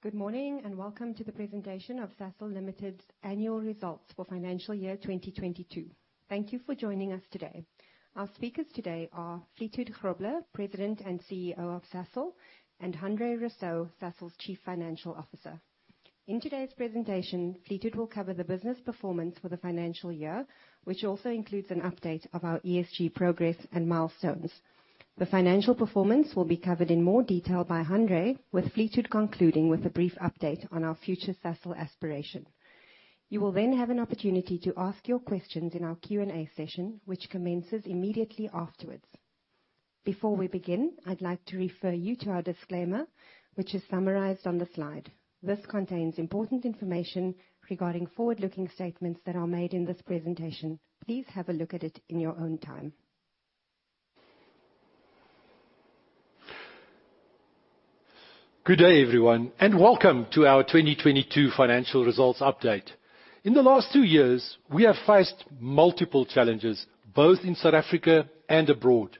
Good morning, and welcome to the presentation of Sasol Limited's annual results for financial year 2022. Thank you for joining us today. Our speakers today are Fleeta Grobler, President and CEO of Sasol, and Hanré Rossouw, Sasol's Chief Financial Officer. In today's presentation, Fleeta will cover the business performance for the financial year, which also includes an update of our ESG progress and milestones. The financial performance will be covered in more detail by Hanré, with Fleeta concluding with a brief update on our future Sasol aspiration. You will then have an opportunity to ask your questions in our Q&A session, which commences immediately afterwards. Before we begin, I'd like to refer you to our disclaimer, which is summarized on the slide. This contains important information regarding forward-looking statements that are made in this presentation. Please have a look at it in your own time. Good day, everyone, and welcome to our 2022 financial results update. In the last two years, we have faced multiple challenges both in South Africa and abroad.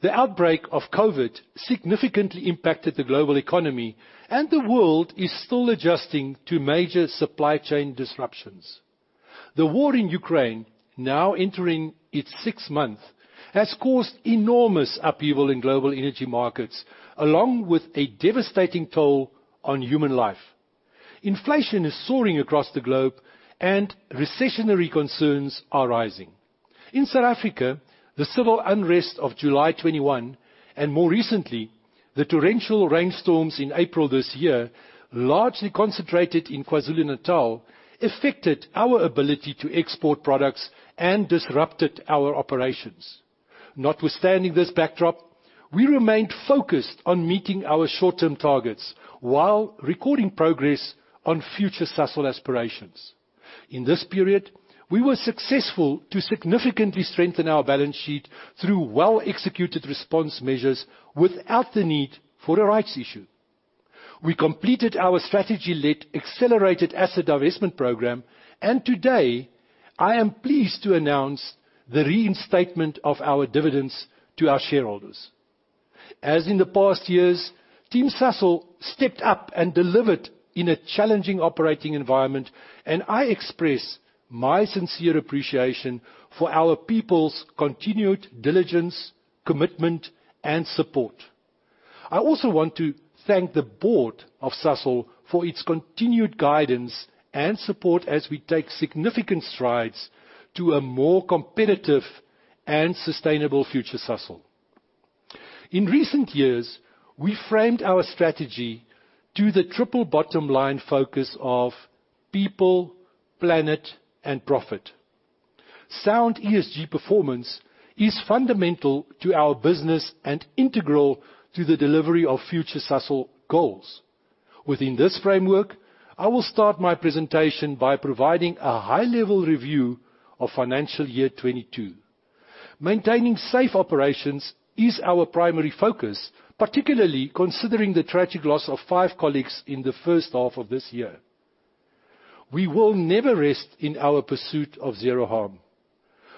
The outbreak of COVID significantly impacted the global economy, and the world is still adjusting to major supply chain disruptions. The war in Ukraine, now entering its sixth month, has caused enormous upheaval in global energy markets, along with a devastating toll on human life. Inflation is soaring across the globe and recessionary concerns are rising. In South Africa, the civil unrest of July 21 and more recently, the torrential rainstorms in April this year, largely concentrated in KwaZulu-Natal, affected our ability to export products and disrupted our operations. Notwithstanding this backdrop, we remained focused on meeting our short-term targets while recording progress on future Sasol aspirations. In this period, we were successful to significantly strengthen our balance sheet through well-executed response measures without the need for a rights issue. We completed our strategy-led accelerated asset divestment program. Today, I am pleased to announce the reinstatement of our dividends to our shareholders. As in the past years, Team Sasol stepped up and delivered in a challenging operating environment. I express my sincere appreciation for our people's continued diligence, commitment, and support. I also want to thank the Board of Sasol for its continued guidance and support as we take significant strides to a more competitive and sustainable future Sasol. In recent years, we framed our strategy to the triple bottom line focus of people, planet, and profit. Sound ESG performance is fundamental to our business and integral to the delivery of future Sasol goals. Within this framework, I will start my presentation by providing a high-level review of financial year 2022. Maintaining safe operations is our primary focus, particularly considering the tragic loss of five colleagues in the first half of this year. We will never rest in our pursuit of zero harm.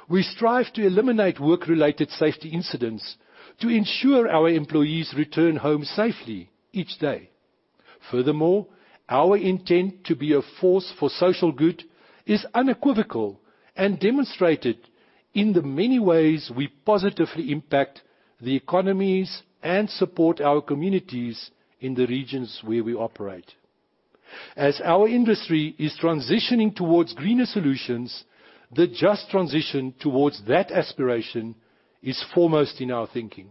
We strive to eliminate work-related safety incidents to ensure our employees return home safely each day. Furthermore, our intent to be a force for social good is unequivocal and demonstrated in the many ways we positively impact the economies and support our communities in the regions where we operate. As our industry is transitioning towards greener solutions, the just transition towards that aspiration is foremost in our thinking.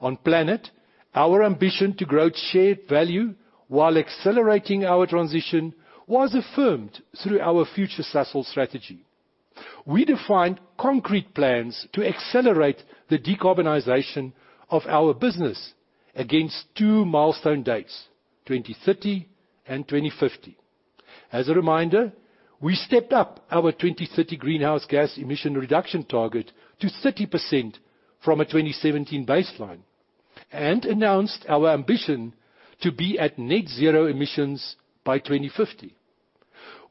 On planet, our ambition to grow shared value while accelerating our transition was affirmed through our future Sasol strategy. We defined concrete plans to accelerate the decarbonization of our business against two milestone dates: 2030 and 2050. As a reminder, we stepped up our 2030 greenhouse gas emission reduction target to 30% from a 2017 baseline and announced our ambition to be at net zero emissions by 2050.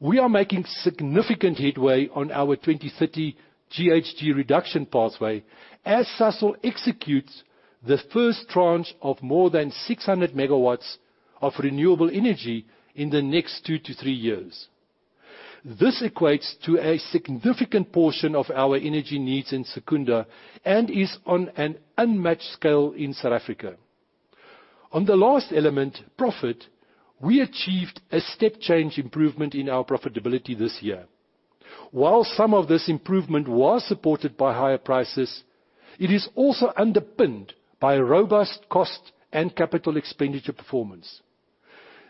We are making significant headway on our 2030 GHG reduction pathway as Sasol executes the first tranche of more than 600 MW of renewable energy in the next two to three years. This equates to a significant portion of our energy needs in Secunda and is on an unmatched scale in South Africa. On the last element, profit, we achieved a step change improvement in our profitability this year. While some of this improvement was supported by higher prices, it is also underpinned by robust cost and capital expenditure performance.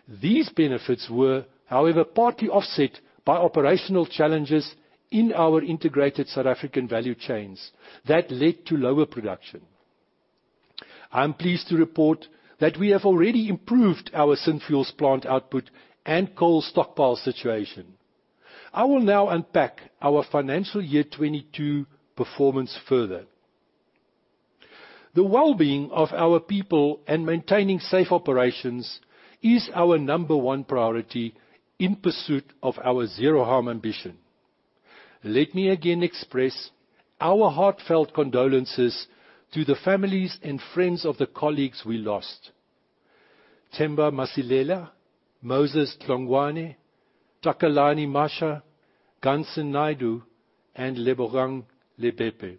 These benefits were, however, partly offset by operational challenges in our integrated South African value chains that led to lower production. I am pleased to report that we have already improved our Synfuels plant output and coal stockpile situation. I will now unpack our FY 2022 performance further. The well-being of our people and maintaining safe operations is our number 1 priority in pursuit of our zero harm ambition. Let me again express our heartfelt condolences to the families and friends of the colleagues we lost, Themba Masilela, Moses Tlongwane, Takalani Masha, Ghansen Naidoo, and Lebogang Lebepe.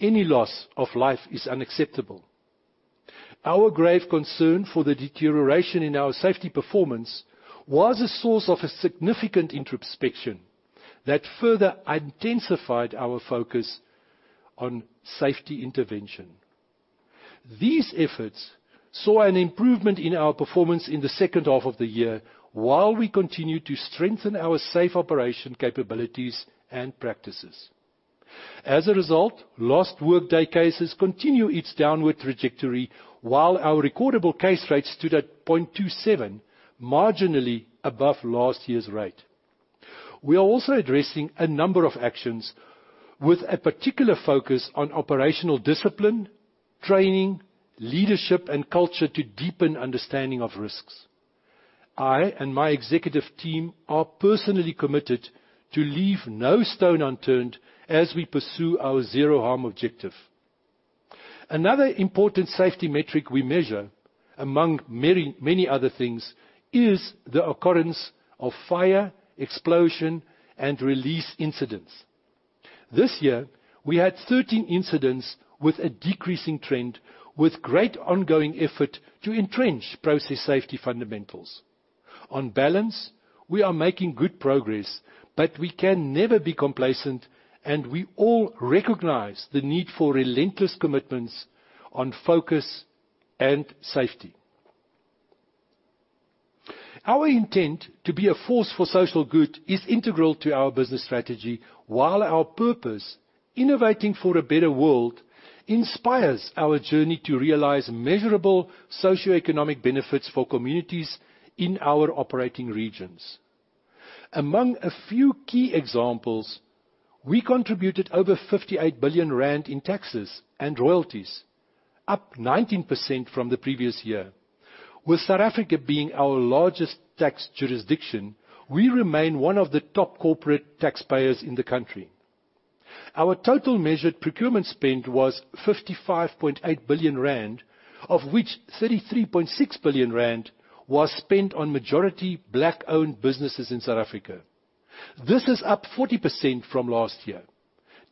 Any loss of life is unacceptable. Our grave concern for the deterioration in our safety performance was a source of a significant introspection that further intensified our focus on safety intervention. These efforts saw an improvement in our performance in the second half of the year, while we continue to strengthen our safe operation capabilities and practices. As a result, lost workday cases continue its downward trajectory, while our recordable case rate stood at 0.27, marginally above last year's rate. We are also addressing a number of actions with a particular focus on operational discipline, training, leadership, and culture to deepen understanding of risks. I and my executive team are personally committed to leave no stone unturned as we pursue our zero harm objective. Another important safety metric we measure, among many other things, is the occurrence of fire, explosion, and release incidents. This year, we had 13 incidents with a decreasing trend, with great ongoing effort to entrench process safety fundamentals. On balance, we are making good progress, but we can never be complacent, and we all recognize the need for relentless commitments on focus and safety. Our intent to be a force for social good is integral to our business strategy, while our purpose, innovating for a better world, inspires our journey to realize measurable socioeconomic benefits for communities in our operating regions. Among a few key examples, we contributed over 58 billion rand in taxes and royalties, up 19% from the previous year. With South Africa being our largest tax jurisdiction, we remain one of the top corporate taxpayers in the country. Our total measured procurement spend was 55.8 billion rand, of which 33.6 billion rand was spent on majority black-owned businesses in South Africa. This is up 40% from last year,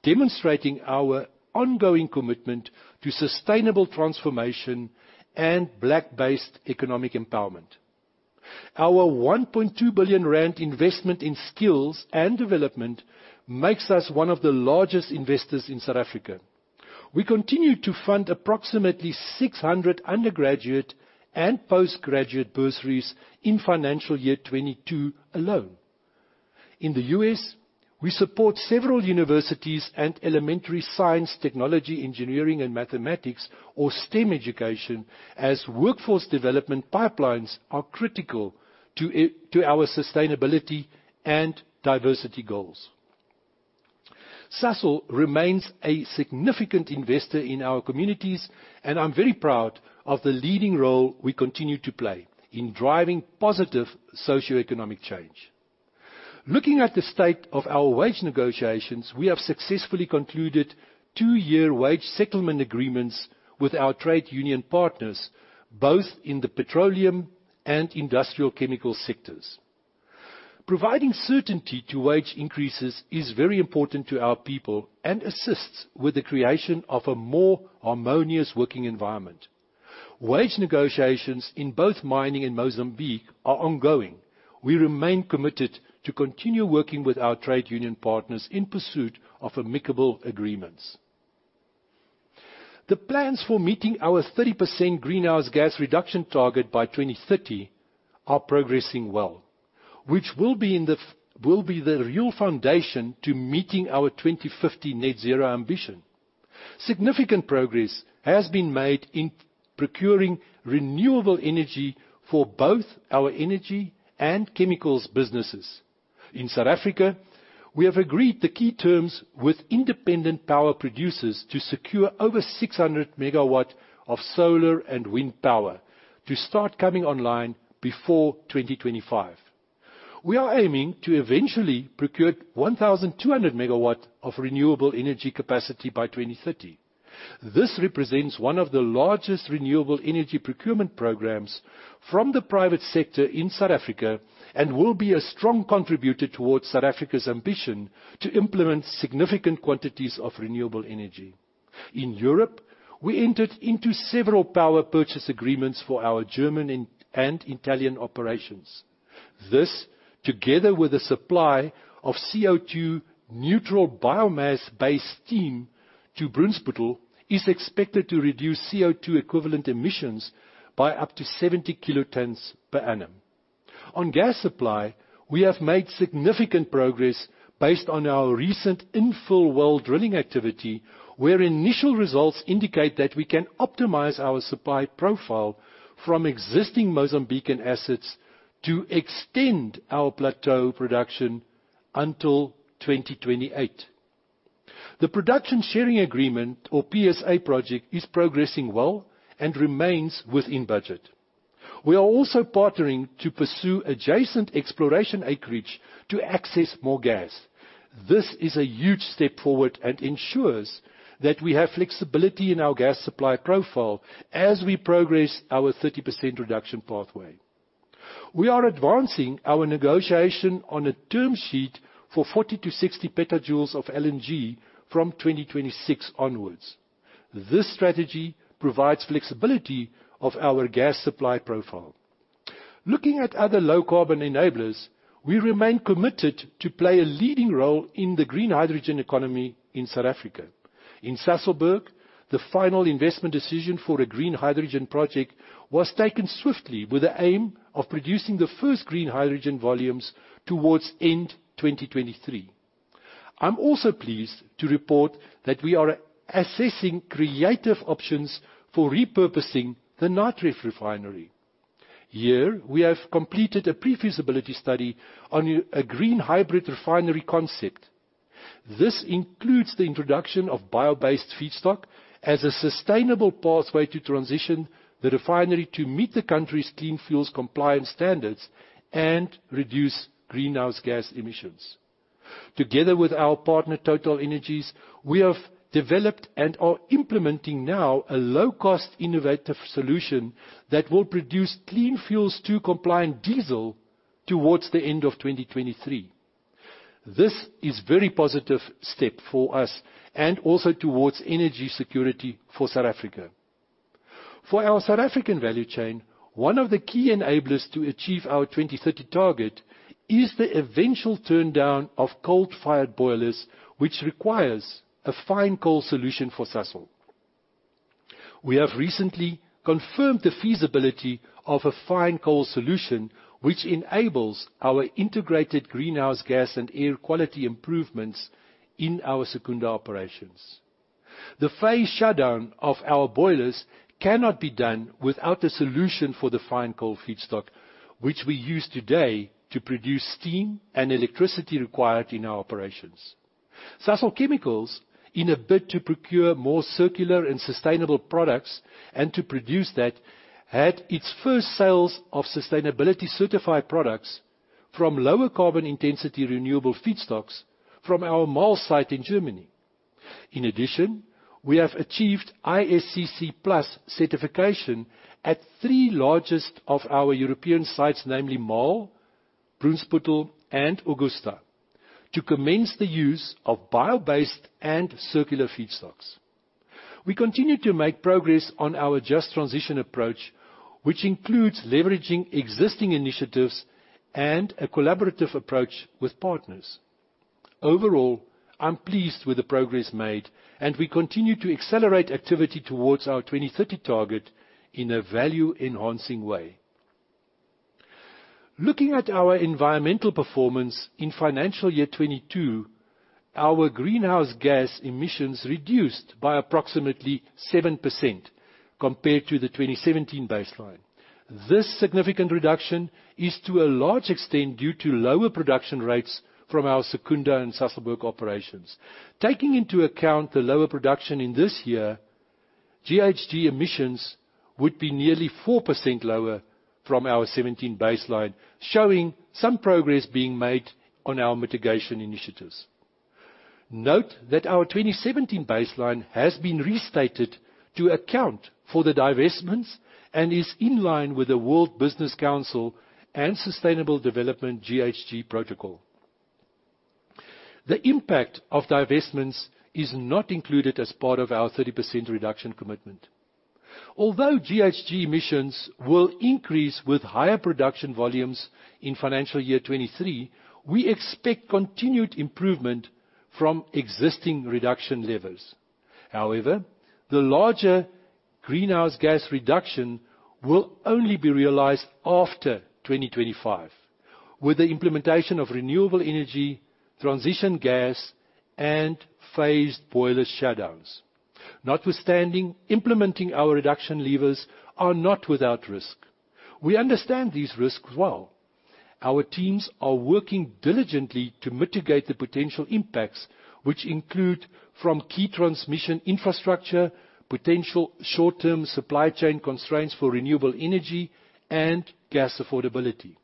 demonstrating our ongoing commitment to sustainable transformation and black-based economic empowerment. Our 1.2 billion rand investment in skills and development makes us one of the largest investors in South Africa. We continue to fund approximately 600 undergraduate and postgraduate bursaries in FY 2022 alone. In the U.S., we support several universities and elementary science, technology, engineering, and mathematics, or STEM education, as workforce development pipelines are critical to our sustainability and diversity goals. Sasol remains a significant investor in our communities, and I'm very proud of the leading role we continue to play in driving positive socioeconomic change. Looking at the state of our wage negotiations, we have successfully concluded two-year wage settlement agreements with our trade union partners, both in the petroleum and industrial chemical sectors. Providing certainty to wage increases is very important to our people and assists with the creation of a more harmonious working environment. Wage negotiations in both mining and Mozambique are ongoing. We remain committed to continue working with our trade union partners in pursuit of amicable agreements. The plans for meeting our 30% greenhouse gas reduction target by 2030 are progressing well, which will be the real foundation to meeting our 2050 net zero ambition. Significant progress has been made in procuring renewable energy for both our energy and chemicals businesses. In South Africa, we have agreed the key terms with independent power producers to secure over 600 MW of solar and wind power to start coming online before 2025. We are aiming to eventually procure 1,200 MW of renewable energy capacity by 2030. This represents one of the largest renewable energy procurement programs from the private sector in South Africa and will be a strong contributor towards South Africa's ambition to implement significant quantities of renewable energy. In Europe, we entered into several power purchase agreements for our German and Italian operations. This, together with the supply of CO2 neutral biomass-based steam to Brunsbüttel, is expected to reduce CO2 equivalent emissions by up to 70 kilotons per annum. On gas supply, we have made significant progress based on our recent infill well drilling activity, where initial results indicate that we can optimize our supply profile from existing Mozambican assets to extend our plateau production until 2028. The production sharing agreement or PSA project is progressing well and remains within budget. We are also partnering to pursue adjacent exploration acreage to access more gas. This is a huge step forward and ensures that we have flexibility in our gas supply profile as we progress our 30% reduction pathway. We are advancing our negotiation on a term sheet for 40-60 petajoules of LNG from 2026 onwards. This strategy provides flexibility of our gas supply profile. Looking at other low carbon enablers, we remain committed to play a leading role in the green hydrogen economy in South Africa. In Sasolburg, the final investment decision for a green hydrogen project was taken swiftly with the aim of producing the first green hydrogen volumes towards end 2023. I'm also pleased to report that we are assessing creative options for repurposing the Natref refinery. Here, we have completed a pre-feasibility study on a green hybrid refinery concept. This includes the introduction of bio-based feedstock as a sustainable pathway to transition the refinery to meet the country's clean fuels compliance standards and reduce greenhouse gas emissions. Together with our partner, TotalEnergies, we have developed and are implementing now a low-cost innovative solution that will produce clean fuels to compliant diesel towards the end of 2023. This is very positive step for us and also towards energy security for South Africa. For our South African value chain, one of the key enablers to achieve our 2030 target is the eventual turndown of coal-fired boilers which requires a fine coal solution for Sasol. We have recently confirmed the feasibility of a fine coal solution which enables our integrated greenhouse gas and air quality improvements in our Secunda operations. The phased shutdown of our boilers cannot be done without a solution for the fine coal feedstock which we use today to produce steam and electricity required in our operations. Sasol Chemicals, in a bid to procure more circular and sustainable products and to produce that, had its first sales of sustainability certified products from lower carbon intensity renewable feedstocks from our Marl site in Germany. In addition, we have achieved ISCC PLUS certification at three largest of our European sites, namely Marl, Brunsbüttel, and Augusta, to commence the use of bio-based and circular feedstocks. We continue to make progress on our just transition approach which includes leveraging existing initiatives and a collaborative approach with partners. Overall, I'm pleased with the progress made and we continue to accelerate activity towards our 2030 target in a value-enhancing way. Looking at our environmental performance in FY 2022, our greenhouse gas emissions reduced by approximately 7% compared to the 2017 baseline. This significant reduction is to a large extent due to lower production rates from our Secunda and Sasolburg operations. Taking into account the lower production in this year, GHG emissions would be nearly 4% lower from our 2017 baseline, showing some progress being made on our mitigation initiatives. Note that our 2017 baseline has been restated to account for the divestments and is in line with the World Business Council for Sustainable Development GHG protocol. The impact of divestments is not included as part of our 30% reduction commitment. GHG emissions will increase with higher production volumes in FY 2023, we expect continued improvement from existing reduction levers. The larger greenhouse gas reduction will only be realized after 2025 with the implementation of renewable energy, transition gas and phased boiler shutdowns. Implementing our reduction levers are not without risk. We understand these risks well. Our teams are working diligently to mitigate the potential impacts which include from key transmission infrastructure, potential short-term supply chain constraints for renewable energy and gas affordability.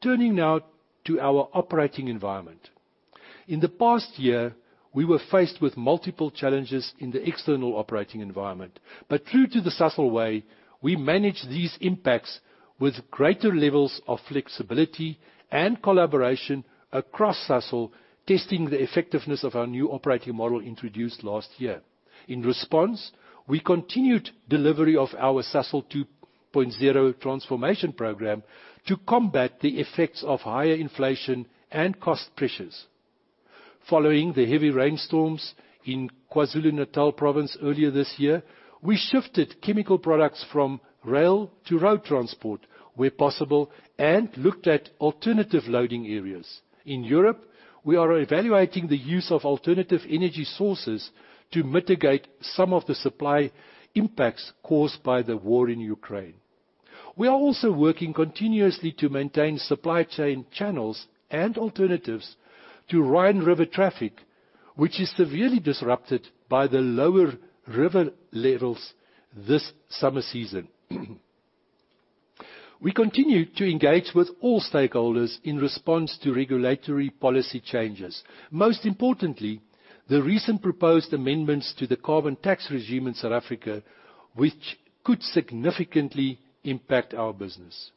Turning now to our operating environment. In the past year, we were faced with multiple challenges in the external operating environment. True to the Sasol way, we managed these impacts with greater levels of flexibility and collaboration across Sasol, testing the effectiveness of our new operating model introduced last year. In response, we continued delivery of our Sasol 2.0 transformation program to combat the effects of higher inflation and cost pressures. Following the heavy rainstorms in KwaZulu-Natal province earlier this year, we shifted chemical products from rail to road transport where possible and looked at alternative loading areas. In Europe, we are evaluating the use of alternative energy sources to mitigate some of the supply impacts caused by the war in Ukraine. We are also working continuously to maintain supply chain channels and alternatives to Rhine River traffic, which is severely disrupted by the lower river levels this summer season. We continue to engage with all stakeholders in response to regulatory policy changes, most importantly, the recent proposed amendments to the carbon tax regime in South Africa, which could significantly impact our business.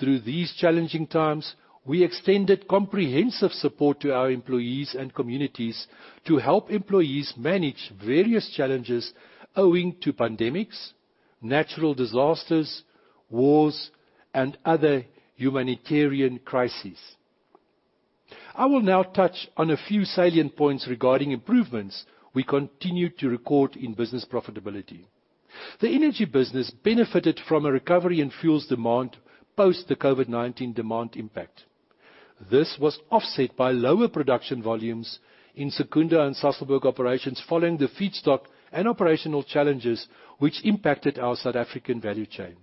Through these challenging times, we extended comprehensive support to our employees and communities to help employees manage various challenges owing to pandemics, natural disasters, wars, and other humanitarian crises. I will now touch on a few salient points regarding improvements we continue to record in business profitability. The energy business benefited from a recovery in fuels demand post the COVID-19 demand impact. This was offset by lower production volumes in Secunda and Sasolburg operations following the feedstock and operational challenges which impacted our South African value chain.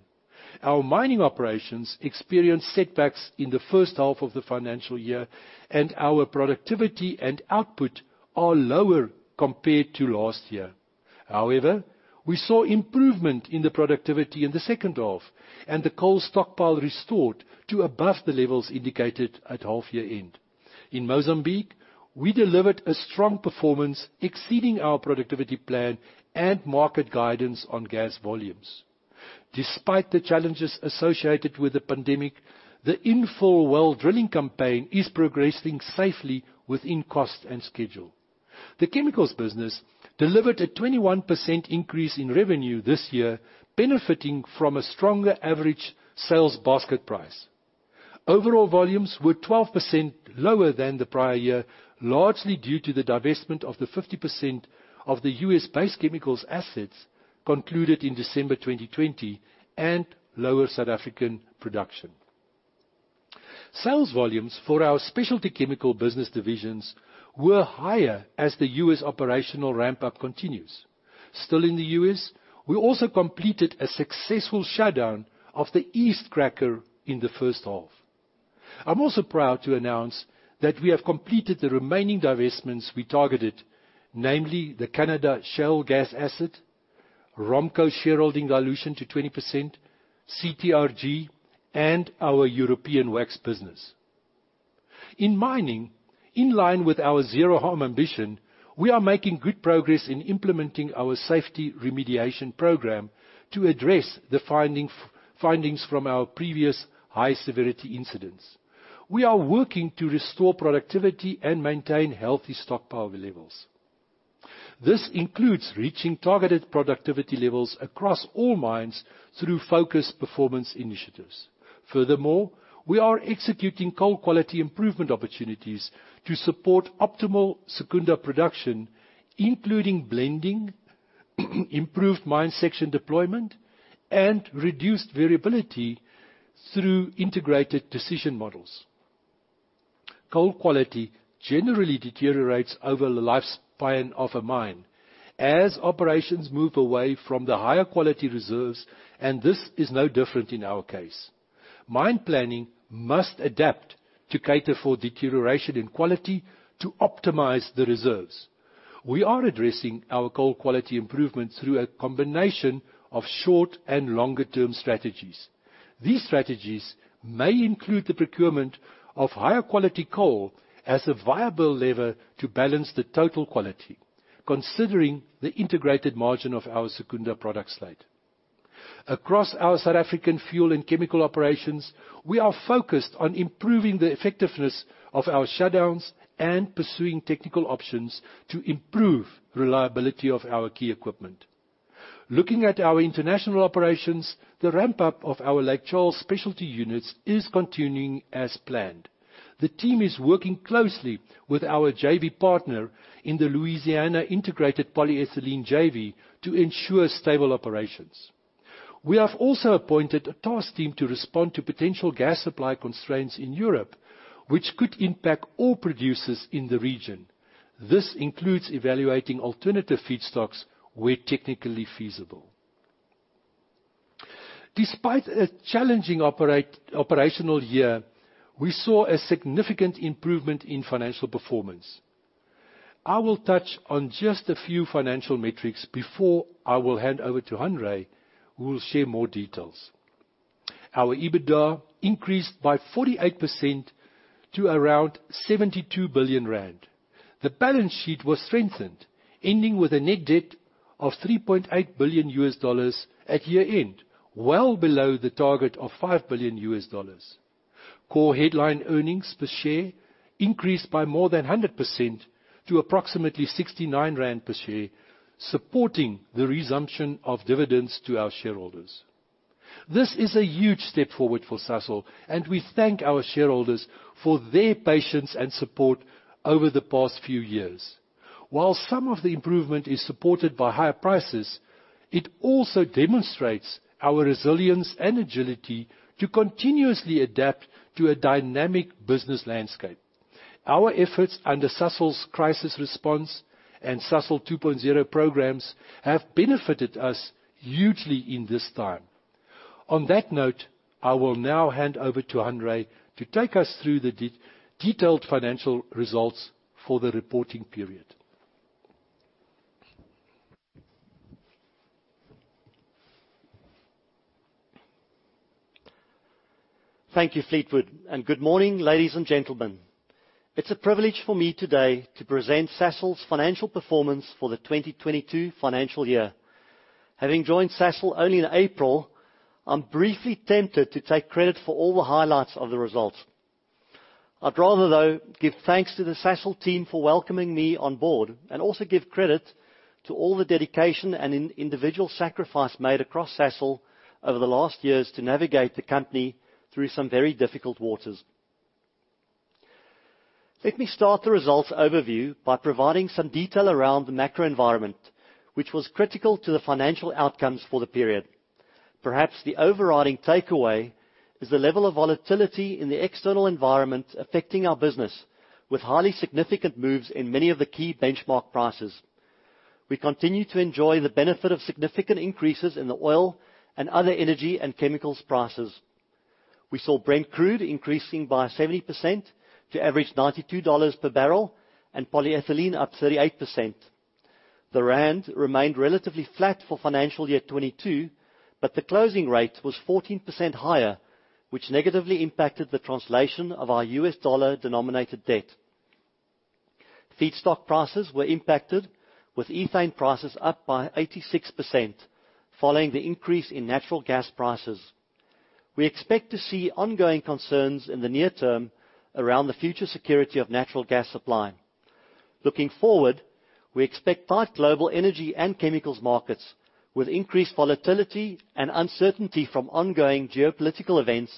Our mining operations experienced setbacks in the first half of the financial year, and our productivity and output are lower compared to last year. We saw improvement in the productivity in the second half, and the coal stockpile restored to above the levels indicated at half-year end. In Mozambique, we delivered a strong performance exceeding our productivity plan and market guidance on gas volumes. Despite the challenges associated with the pandemic, the Infall well drilling campaign is progressing safely within cost and schedule. The Chemicals business delivered a 21% increase in revenue this year, benefiting from a stronger average sales basket price. Overall volumes were 12% lower than the prior year, largely due to the divestment of the 50% of the U.S.-based chemicals assets concluded in December 2020 and lower South African production. Sales volumes for our specialty chemical business divisions were higher as the U.S. operational ramp-up continues. Still in the U.S., we also completed a successful shutdown of the east cracker in the first half. I'm also proud to announce that we have completed the remaining divestments we targeted, namely the Canadian shale gas assets, Rompco shareholding dilution to 20%, CTRG, and our European wax business. In mining, in line with our zero-harm ambition, we are making good progress in implementing our safety remediation program to address the findings from our previous high-severity incidents. We are working to restore productivity and maintain healthy stockpile levels. This includes reaching targeted productivity levels across all mines through focused performance initiatives. Furthermore, we are executing coal quality improvement opportunities to support optimal Secunda production, including blending, improved mine section deployment, and reduced variability through integrated decision models. Coal quality generally deteriorates over the lifespan of a mine as operations move away from the higher-quality reserves, and this is no different in our case. Mine planning must adapt to cater for deterioration in quality to optimize the reserves. We are addressing our coal quality improvement through a combination of short and longer-term strategies. These strategies may include the procurement of higher-quality coal as a viable lever to balance the total quality, considering the integrated margin of our Secunda product slate. Across our South African fuel and chemical operations, we are focused on improving the effectiveness of our shutdowns and pursuing technical options to improve reliability of our key equipment. Looking at our international operations, the ramp-up of our Lake Charles specialty units is continuing as planned. The team is working closely with our JV partner in the Louisiana integrated polyethylene JV to ensure stable operations. We have also appointed a task team to respond to potential gas supply constraints in Europe, which could impact all producers in the region. This includes evaluating alternative feedstocks where technically feasible. Despite a challenging operational year, we saw a significant improvement in financial performance. I will touch on just a few financial metrics before I will hand over to Henry, who will share more details. Our EBITDA increased by 48% to around 72 billion rand. The balance sheet was strengthened, ending with a net debt of $3.8 billion at year-end, well below the target of $5 billion. Core headline earnings per share increased by more than 100% to approximately 69 rand per share, supporting the resumption of dividends to our shareholders. This is a huge step forward for Sasol, and we thank our shareholders for their patience and support over the past few years. While some of the improvement is supported by higher prices, it also demonstrates our resilience and agility to continuously adapt to a dynamic business landscape. Our efforts under Sasol's crisis response and Sasol 2.0 programs have benefited us hugely in this time. On that note, I will now hand over to Hanré to take us through the detailed financial results for the reporting period. Thank you, Fleetwood. Good morning, ladies and gentlemen. It's a privilege for me today to present Sasol's financial performance for the 2022 financial year. Having joined Sasol only in April, I'm briefly tempted to take credit for all the highlights of the results. I'd rather, though, give thanks to the Sasol team for welcoming me on board. Also give credit to all the dedication and individual sacrifice made across Sasol over the last years to navigate the company through some very difficult waters. Let me start the results overview by providing some detail around the macroenvironment, which was critical to the financial outcomes for the period. Perhaps the overriding takeaway is the level of volatility in the external environment affecting our business, with highly significant moves in many of the key benchmark prices. We continue to enjoy the benefit of significant increases in the oil and other energy and chemicals prices. We saw Brent Crude increasing by 70% to average $92 per barrel and polyethylene up 38%. The rand remained relatively flat for FY 2022, but the closing rate was 14% higher, which negatively impacted the translation of our U.S. dollar-denominated debt. Feedstock prices were impacted, with ethane prices up by 86%, following the increase in natural gas prices. We expect to see ongoing concerns in the near term around the future security of natural gas supply. Looking forward, we expect tight global energy and chemicals markets, with increased volatility and uncertainty from ongoing geopolitical events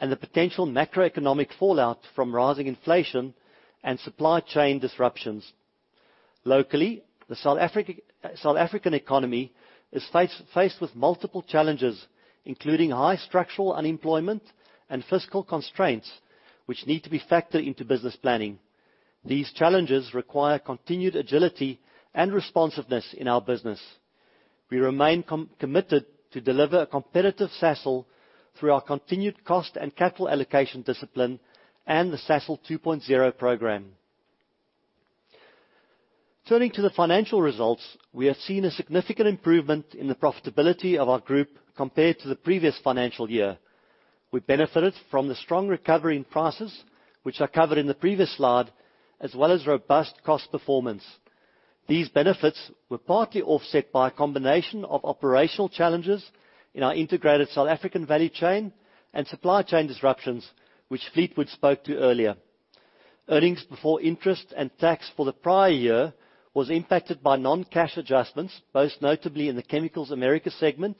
and the potential macroeconomic fallout from rising inflation and supply chain disruptions. Locally, the South African economy is faced with multiple challenges, including high structural unemployment and fiscal constraints, which need to be factored into business planning. These challenges require continued agility and responsiveness in our business. We remain committed to deliver a competitive Sasol through our continued cost and capital allocation discipline and the Sasol 2.0 program. Turning to the financial results, we have seen a significant improvement in the profitability of our group compared to the previous financial year. We benefited from the strong recovery in prices, which I covered in the previous slide, as well as robust cost performance. These benefits were partly offset by a combination of operational challenges in our integrated South African value chain and supply chain disruptions, which Fleetwood spoke to earlier. Earnings before interest and tax for the prior year was impacted by non-cash adjustments, most notably in the Chemicals America segment,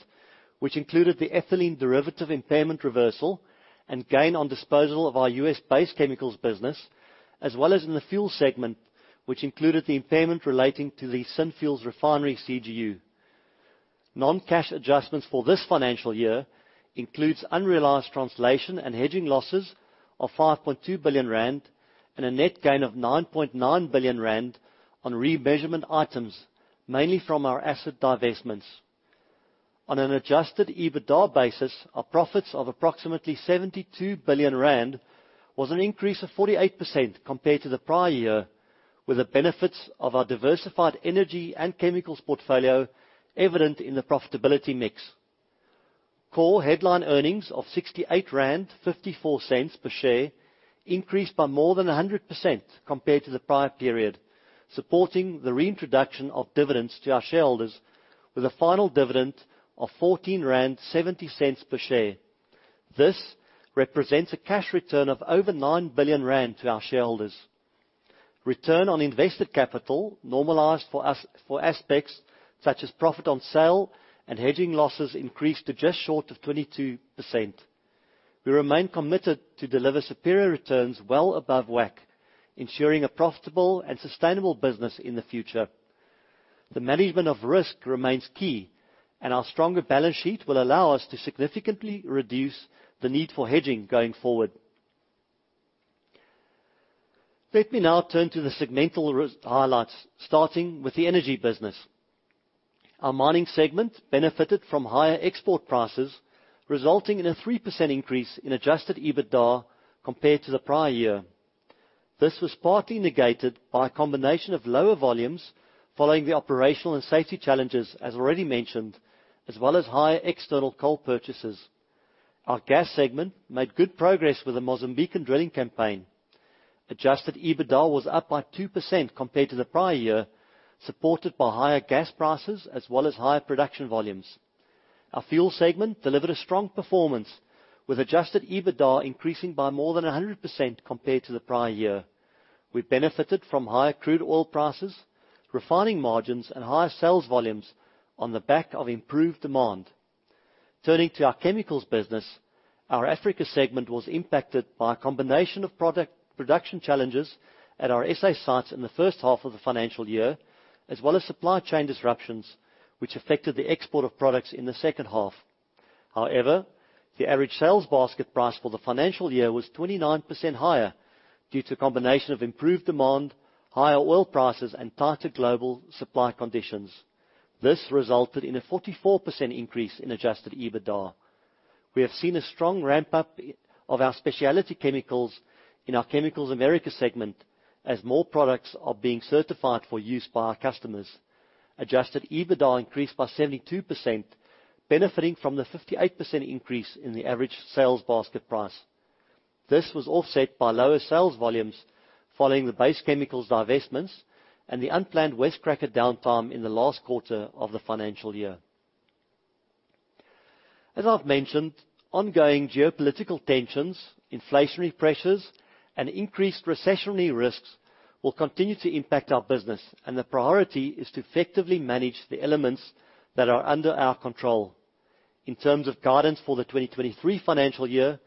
which included the ethylene derivative impairment reversal and gain on disposal of our U.S.-based chemicals business, as well as in the fuel segment, which included the impairment relating to the Synfuels refinery CGU. Non-cash adjustments for this financial year includes unrealized translation and hedging losses of 5.2 billion rand and a net gain of 9.9 billion rand on remeasurement items, mainly from our asset divestments. On an adjusted EBITDA basis, our profits of approximately 72 billion rand was an increase of 48% compared to the prior year, with the benefits of our diversified energy and chemicals portfolio evident in the profitability mix. Core headline earnings of 68.54 rand per share increased by more than 100% compared to the prior period, supporting the reintroduction of dividends to our shareholders with a final dividend of 14.70 rand per share. This represents a cash return of over 9 billion rand to our shareholders. Return on invested capital normalized for aspects such as profit on sale and hedging losses increased to just short of 22%. We remain committed to deliver superior returns well above WACC, ensuring a profitable and sustainable business in the future. The management of risk remains key, and our stronger balance sheet will allow us to significantly reduce the need for hedging going forward. Let me now turn to the segmental highlights, starting with the energy business. Our mining segment benefited from higher export prices, resulting in a 3% increase in adjusted EBITDA compared to the prior year. This was partly negated by a combination of lower volumes following the operational and safety challenges, as already mentioned, as well as higher external coal purchases. Our gas segment made good progress with the Mozambican drilling campaign. Adjusted EBITDA was up by 2% compared to the prior year, supported by higher gas prices as well as higher production volumes. Our fuel segment delivered a strong performance, with adjusted EBITDA increasing by more than 100% compared to the prior year. We benefited from higher crude oil prices, refining margins, and higher sales volumes on the back of improved demand. Turning to our chemicals business, our Chemicals Africa segment was impacted by a combination of production challenges at our SA sites in the first half of the financial year, as well as supply chain disruptions, which affected the export of products in the second half. The average sales basket price for the financial year was 29% higher due to a combination of improved demand, higher oil prices, and tighter global supply conditions. This resulted in a 44% increase in adjusted EBITDA. We have seen a strong ramp-up of our specialty chemicals in our Chemicals America segment as more products are being certified for use by our customers. Adjusted EBITDA increased by 72%, benefiting from the 58% increase in the average sales basket price. This was offset by lower sales volumes following the base chemicals divestments and the unplanned West Cracker downtime in the last quarter of the financial year. As I've mentioned, ongoing geopolitical tensions, inflationary pressures, and increased recessionary risks will continue to impact our business, and the priority is to effectively manage the elements that are under our control. In terms of guidance for the 2023 financial year,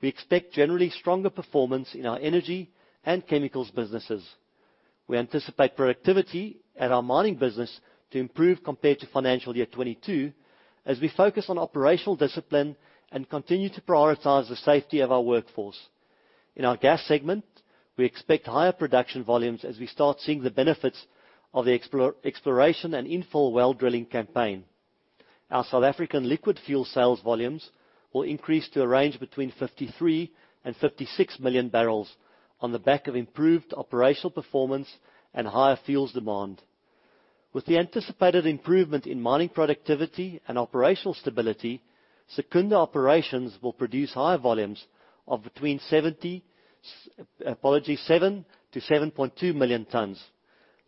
we expect generally stronger performance in our energy and chemicals businesses. We anticipate productivity at our mining business to improve compared to FY 2022 as we focus on operational discipline and continue to prioritize the safety of our workforce. In our gas segment, we expect higher production volumes as we start seeing the benefits of the exploration and infill well drilling campaign. Our South African liquid fuel sales volumes will increase to a range between 53 and 56 million barrels on the back of improved operational performance and higher fuels demand. With the anticipated improvement in mining productivity and operational stability, Secunda operations will produce higher volumes of between 7 to 7.2 million tons.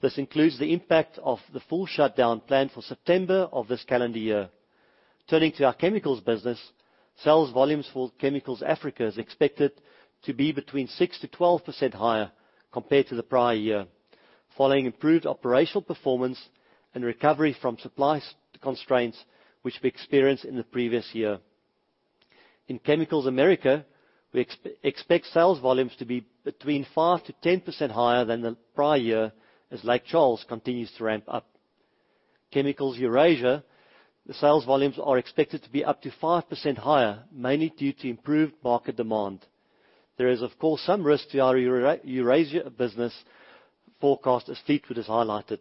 This includes the impact of the full shutdown planned for September of this calendar year. Turning to our chemicals business, sales volumes for Chemicals Africa is expected to be between 6%-12% higher compared to the prior year, following improved operational performance and recovery from supply constraints, which we experienced in the previous year. In Chemicals America, we expect sales volumes to be between 5%-10% higher than the prior year as Lake Charles continues to ramp up. Chemicals Eurasia, the sales volumes are expected to be up to 5% higher, mainly due to improved market demand. There is, of course, some risk to our Eurasia business forecast as Fleetwood has highlighted.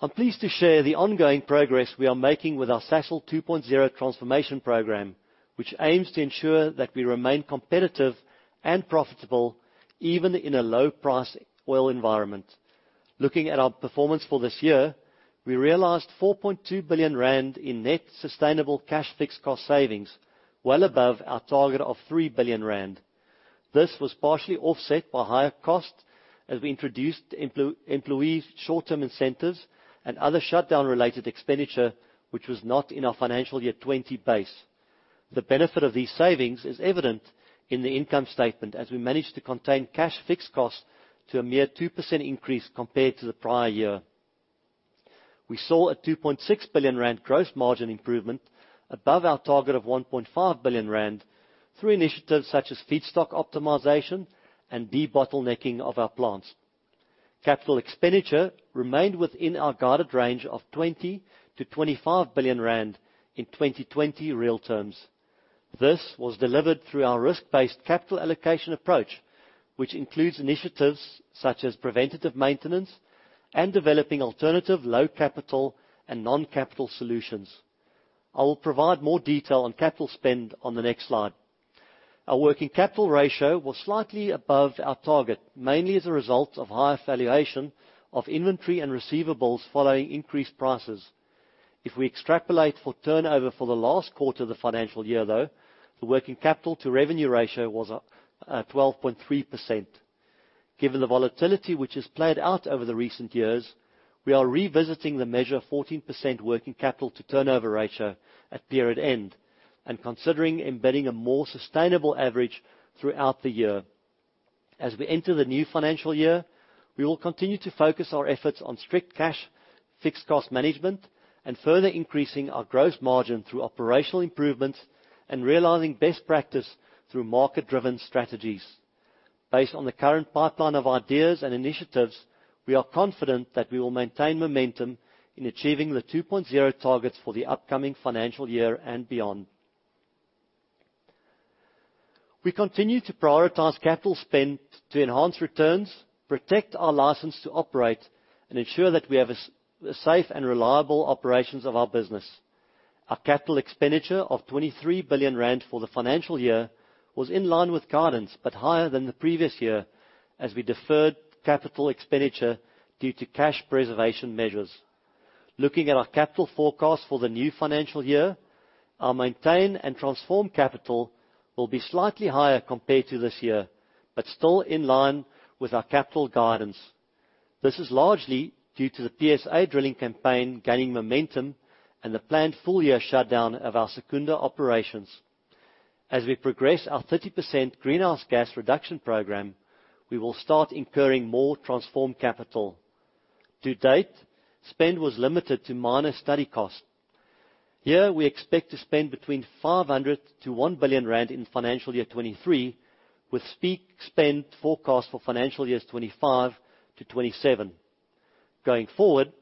I'm pleased to share the ongoing progress we are making with our Sasol 2.0 transformation program, which aims to ensure that we remain competitive and profitable even in a low-price oil environment. Looking at our performance for this year, we realized 4.2 billion rand in net sustainable cash fixed cost savings, well above our target of 3 billion rand. This was partially offset by higher costs as we introduced employees' short-term incentives and other shutdown-related expenditure, which was not in our FY 2020 base. The benefit of these savings is evident in the income statement, as we managed to contain cash fixed costs to a mere 2% increase compared to the prior year. We saw a 2.6 billion rand gross margin improvement above our target of 1.5 billion rand through initiatives such as feedstock optimization and debottlenecking of our plants. Capital expenditure remained within our guided range of 20 billion-25 billion rand in 2020 real terms. This was delivered through our risk-based capital allocation approach, which includes initiatives such as preventative maintenance and developing alternative low-capital and non-capital solutions. I will provide more detail on capital spend on the next slide. Our working capital ratio was slightly above our target, mainly as a result of higher valuation of inventory and receivables following increased prices. If we extrapolate for turnover for the last quarter of the financial year, though, the working capital to revenue ratio was 12.3%. Given the volatility which has played out over the recent years, we are revisiting the measure of 14% working capital to turnover ratio at period end and considering embedding a more sustainable average throughout the year. As we enter the new financial year, we will continue to focus our efforts on strict cash fixed cost management and further increasing our gross margin through operational improvements and realizing best practice through market-driven strategies. Based on the current pipeline of ideas and initiatives, we are confident that we will maintain momentum in achieving the Sasol 2.0 targets for the upcoming financial year and beyond. We continue to prioritize capital spend to enhance returns, protect our license to operate, and ensure that we have safe and reliable operations of our business. Our capital expenditure of 23 billion rand for the financial year was in line with guidance but higher than the previous year as we deferred capital expenditure due to cash preservation measures. Looking at our capital forecast for the new financial year, our maintained and transformed capital will be slightly higher compared to this year, but still in line with our capital guidance. This is largely due to the PSA drilling campaign gaining momentum and the planned full-year shutdown of our Secunda operations. As we progress our 30% greenhouse gas reduction program, we will start incurring more transformed capital. To date, spend was limited to minor study costs. Here, we expect to spend between 500 million to 1 billion rand in FY 2023, with peak spend forecast for FY 2025 to FY 2027. Going forward,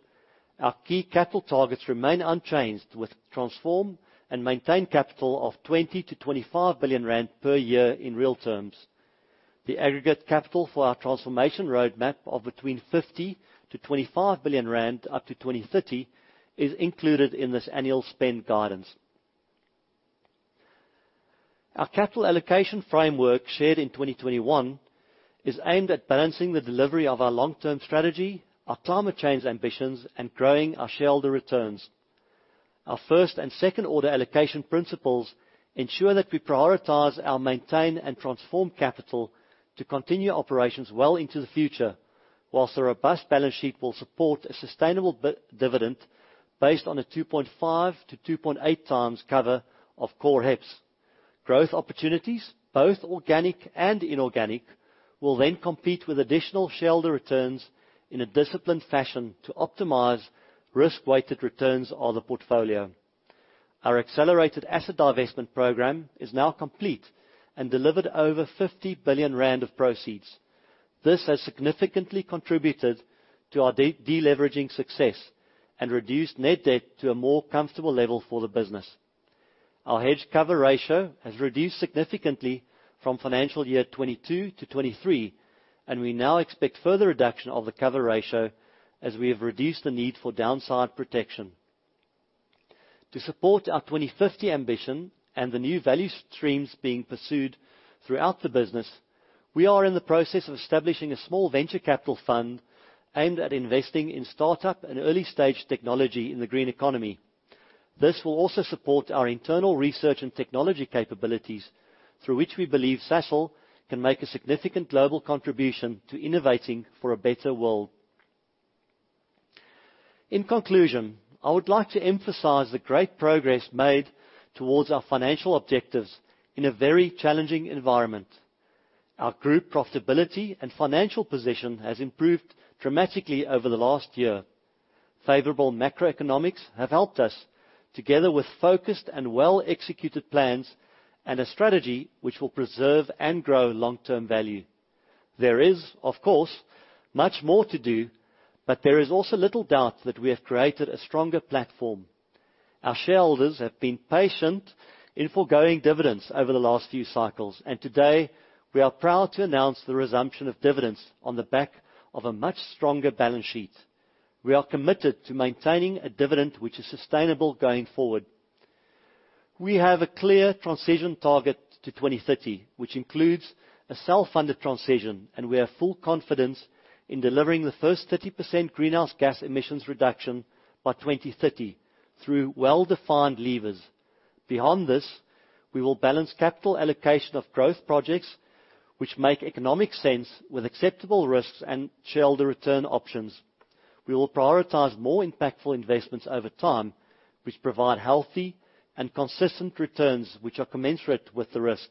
our key capital targets remain unchanged, with transform and maintain capital of 20 billion to 25 billion rand per year in real terms. The aggregate capital for our transformation roadmap of between 50 billion to 25 billion rand up to 2030 is included in this annual spend guidance. Our capital allocation framework, shared in 2021, is aimed at balancing the delivery of our long-term strategy, our climate change ambitions, and growing our shareholder returns. Our first and second-order allocation principles ensure that we prioritize our maintain and transform capital to continue operations well into the future, whilst a robust balance sheet will support a sustainable dividend based on a 2.5-2.8 times cover of core HEPS. Growth opportunities, both organic and inorganic, will then compete with additional shareholder returns in a disciplined fashion to optimize risk-weighted returns on the portfolio. Our accelerated asset divestment program is now complete and delivered over 50 billion rand of proceeds. This has significantly contributed to our de-leveraging success and reduced net debt to a more comfortable level for the business. Our hedge cover ratio has reduced significantly from FY 2022 to FY 2023, and we now expect further reduction of the cover ratio as we have reduced the need for downside protection. To support our 2050 ambition and the new value streams being pursued throughout the business, we are in the process of establishing a small venture capital fund aimed at investing in startup and early-stage technology in the green economy. This will also support our internal research and technology capabilities, through which we believe Sasol can make a significant global contribution to innovating for a better world. In conclusion, I would like to emphasize the great progress made towards our financial objectives in a very challenging environment. Our group profitability and financial position has improved dramatically over the last year. Favorable macroeconomics have helped us, together with focused and well-executed plans and a strategy which will preserve and grow long-term value. There is, of course, much more to do, but there is also little doubt that we have created a stronger platform. Our shareholders have been patient in forgoing dividends over the last few cycles. Today, we are proud to announce the resumption of dividends on the back of a much stronger balance sheet. We are committed to maintaining a dividend which is sustainable going forward. We have a clear transition target to 2030, which includes a self-funded transition. We have full confidence in delivering the first 30% greenhouse gas emissions reduction by 2030 through well-defined levers. Beyond this, we will balance capital allocation of growth projects which make economic sense with acceptable risks and shareholder return options. We will prioritize more impactful investments over time, which provide healthy and consistent returns which are commensurate with the risk.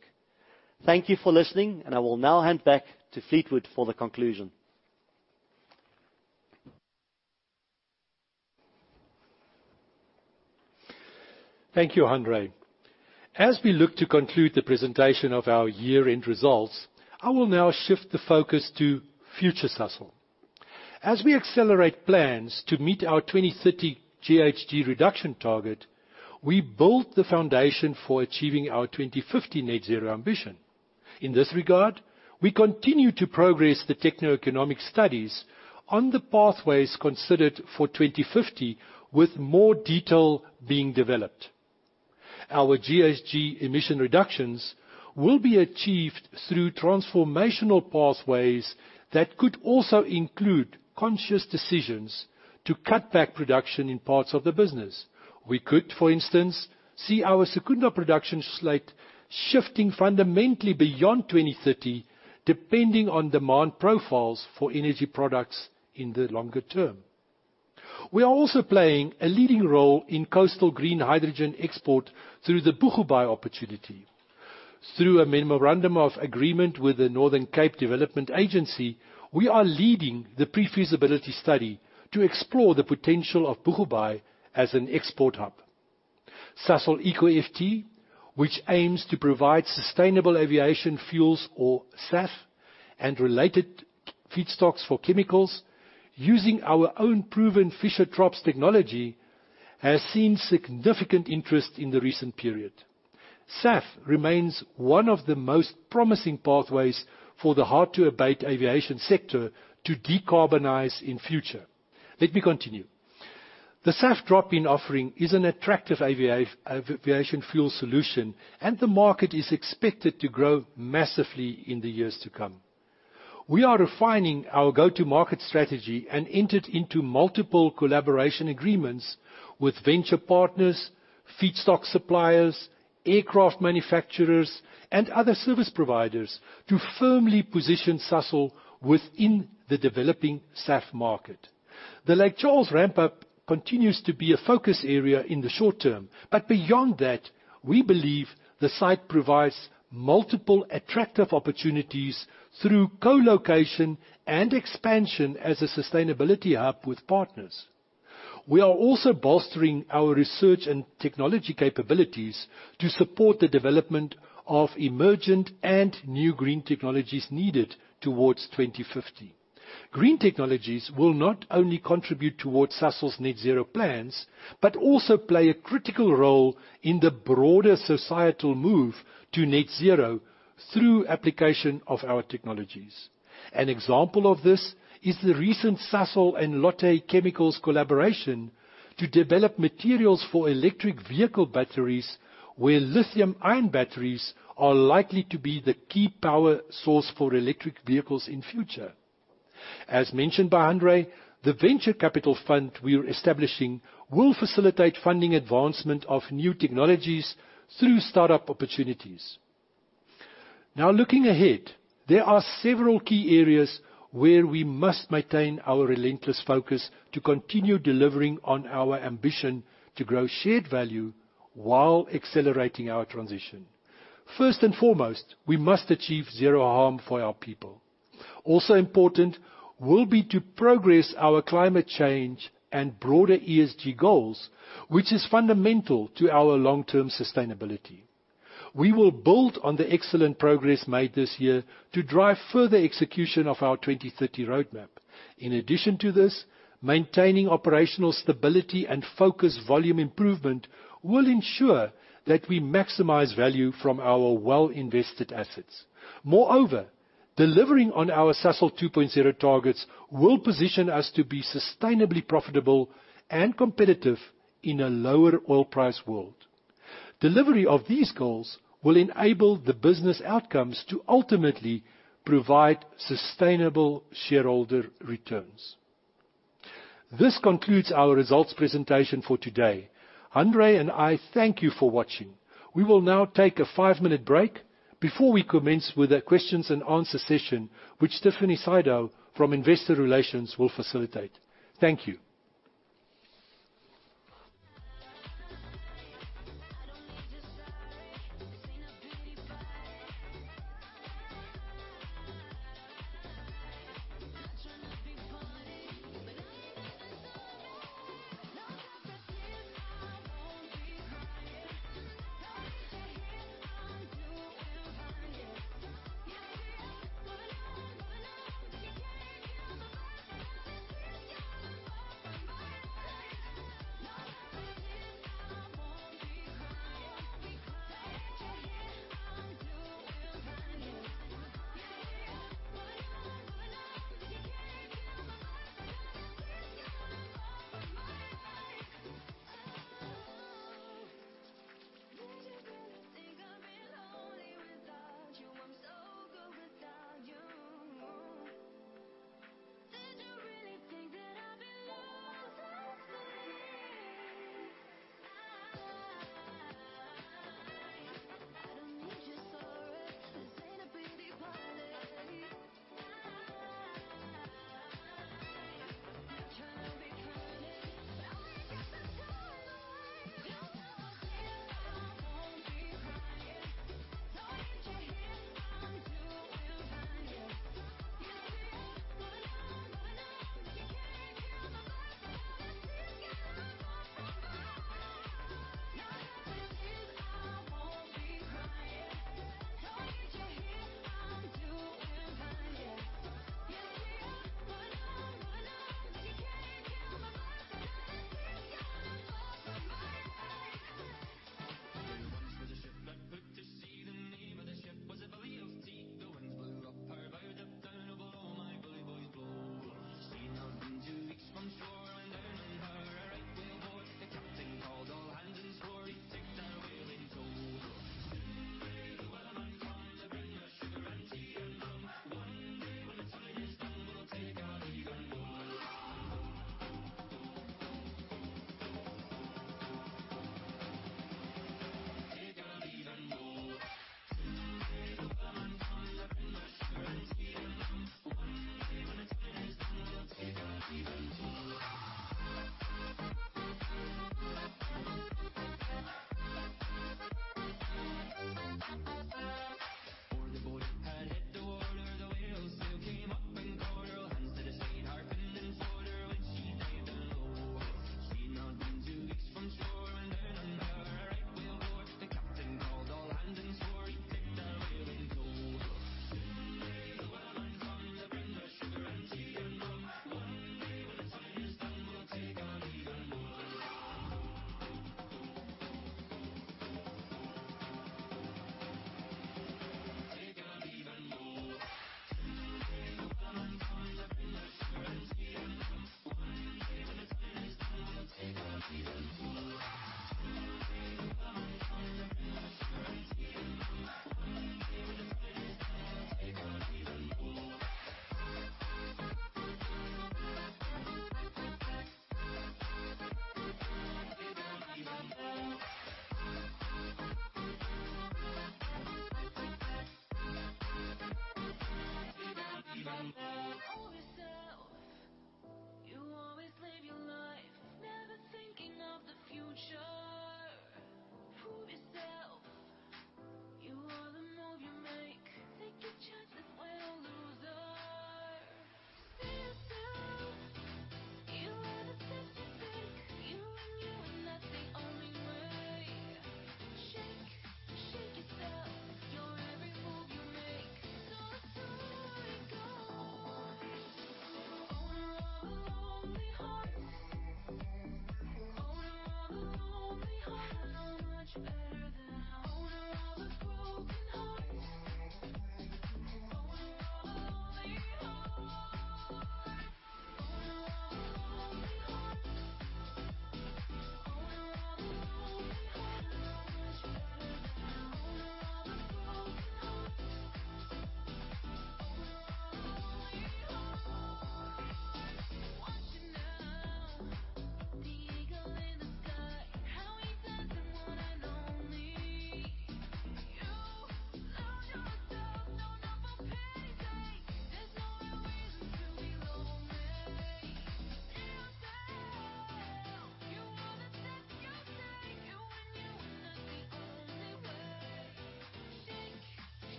Thank you for listening, and I will now hand back to Fleetwood for the conclusion. Thank you, Hanré. As we look to conclude the presentation of our year-end results, I will now shift the focus to future Sasol. As we accelerate plans to meet our 2030 GHG reduction target, we build the foundation for achieving our 2050 net zero ambition. In this regard, we continue to progress the techno-economic studies on the pathways considered for 2050 with more detail being developed. Our GHG emission reductions will be achieved through transformational pathways that could also include conscious decisions to cut back production in parts of the business. We could, for instance, see our Secunda production slate shifting fundamentally beyond 2030, depending on demand profiles for energy products in the longer term. We are also playing a leading role in coastal green hydrogen export through the Boegoebaai opportunity. Through a memorandum of agreement with the Northern Cape Development Agency, we are leading the pre-feasibility study to explore the potential of Boegoebaai as an export hub. Sasol ecoFT, which aims to provide sustainable aviation fuels, or SAF, and related feedstocks for chemicals using our own proven Fischer-Tropsch technology, has seen significant interest in the recent period. SAF remains one of the most promising pathways for the hard-to-abate aviation sector to decarbonize in future. Let me continue. The SAF drop-in offering is an attractive aviation fuel solution. The market is expected to grow massively in the years to come. We are refining our go-to-market strategy and entered into multiple collaboration agreements with venture partners, feedstock suppliers, aircraft manufacturers, and other service providers to firmly position Sasol within the developing SAF market. The Lake Charles ramp-up continues to be a focus area in the short term. Beyond that, we believe the site provides multiple attractive opportunities through co-location and expansion as a sustainability hub with partners. We are also bolstering our research and technology capabilities to support the development of emergent and new green technologies needed towards 2050. Green technologies will not only contribute towards Sasol's net zero plans, but also play a critical role in the broader societal move to net zero through application of our technologies. An example of this is the recent Sasol and Lotte Chemical collaboration to develop materials for electric vehicle batteries, where lithium-ion batteries are likely to be the key power source for electric vehicles in future. As mentioned by Hanré, the venture capital fund we're establishing will facilitate funding advancement of new technologies through startup opportunities. Looking ahead, there are several key areas where we must maintain our relentless focus to continue delivering on our ambition to grow shared value while accelerating our transition. First and foremost, we must achieve zero harm for our people. Also important will be to progress our climate change and broader ESG goals, which is fundamental to our long-term sustainability. We will build on the excellent progress made this year to drive further execution of our 2030 roadmap. In addition to this, maintaining operational stability and focused volume improvement will ensure that we maximize value from our well-invested assets. Moreover, delivering on our Sasol 2.0 targets will position us to be sustainably profitable and competitive in a lower oil price world. Delivery of these goals will enable the business outcomes to ultimately provide sustainable shareholder returns. This concludes our results presentation for today. Hanré and I thank you for watching. We will now take a five-minute break before we commence with a questions and answer session, which Tiffany Sydow from Investor Relations will facilitate. Thank you.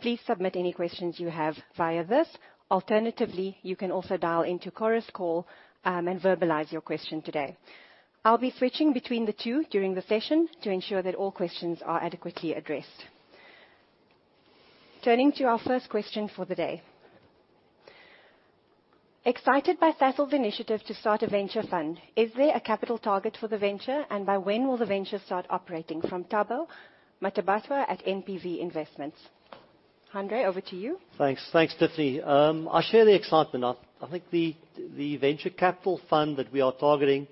Please submit any questions you have via this. Alternatively, you can also dial into Chorus Call and verbalize your question today. I'll be switching between the two during the session to ensure that all questions are adequately addressed. Turning to our first question for the day. Excited by Sasol's initiative to start a venture fund, is there a capital target for the venture, and by when will the venture start operating? From Thabo Matabatwa at NPV Investments. Hanré, over to you. Thanks, Tiffany. I share the excitement. I think the venture capital fund that we are targeting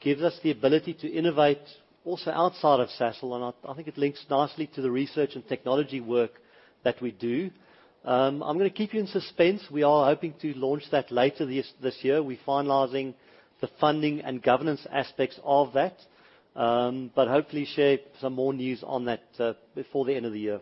gives us the ability to innovate also outside of Sasol, and I think it links nicely to the research and technology work that we do. I'm gonna keep you in suspense. We are hoping to launch that later this year. We're finalizing the funding and governance aspects of that. Hopefully share some more news on that before the end of the year.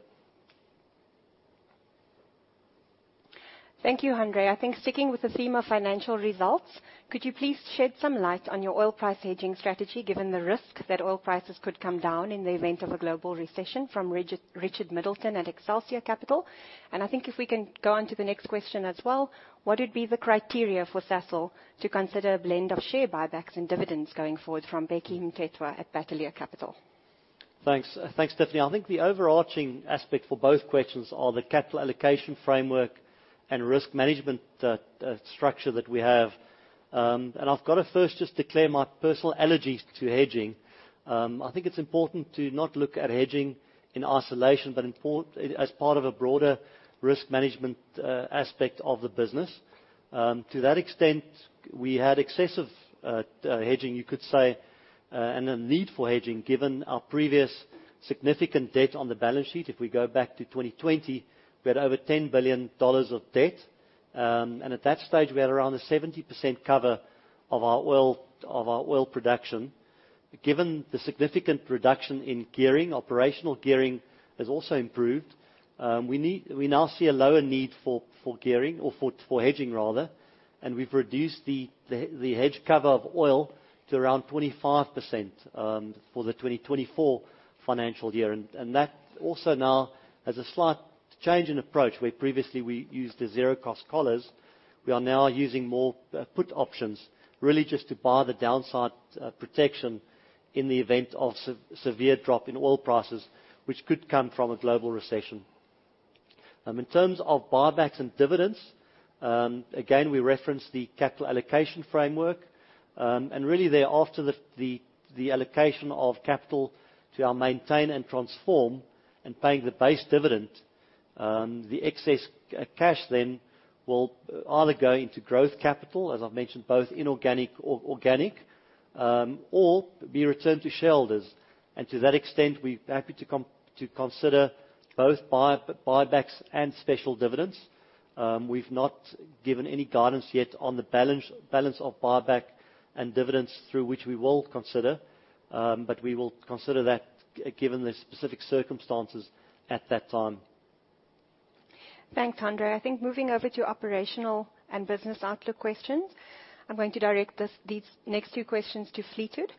Thank you, Andre. Sticking with the theme of financial results, could you please shed some light on your oil price hedging strategy, given the risk that oil prices could come down in the event of a global recession, from Richard Middleton at Excelsior Capital? If we can go on to the next question as well. What would be the criteria for Sasol to consider a blend of share buybacks and dividends going forward from Bheki Mthethwa at Bateleur Capital? Thanks, Tiffany. The overarching aspect for both questions are the capital allocation framework and risk management structure that we have. I've got to first just declare my personal allergies to hedging. It's important to not look at hedging in isolation, but as part of a broader risk management aspect of the business. To that extent, we had excessive hedging, you could say, and a need for hedging, given our previous significant debt on the balance sheet. If we go back to 2020, we had over $10 billion of debt. At that stage, we had around a 70% cover of our oil production. Given the significant reduction in gearing, operational gearing has also improved. We now see a lower need for gearing or for hedging, rather, and we've reduced the hedge cover of oil to around 25% for the 2024 financial year. That also now has a slight change in approach, where previously we used zero-cost collars. We are now using more put options, really just to bar the downside protection in the event of severe drop in oil prices, which could come from a global recession. In terms of buybacks and dividends, again, we reference the capital allocation framework, and really there, after the allocation of capital to our maintain and transform and paying the base dividend, the excess cash then will either go into growth capital, as I've mentioned, both inorganic or organic, or be returned to shareholders. To that extent, we're happy to consider both buybacks and special dividends. We've not given any guidance yet on the balance of buyback and dividends through which we will consider, but we will consider that given the specific circumstances at that time. Thanks, Andre. Moving over to operational and business outlook questions, I'm going to direct these next few questions to Fleetwood.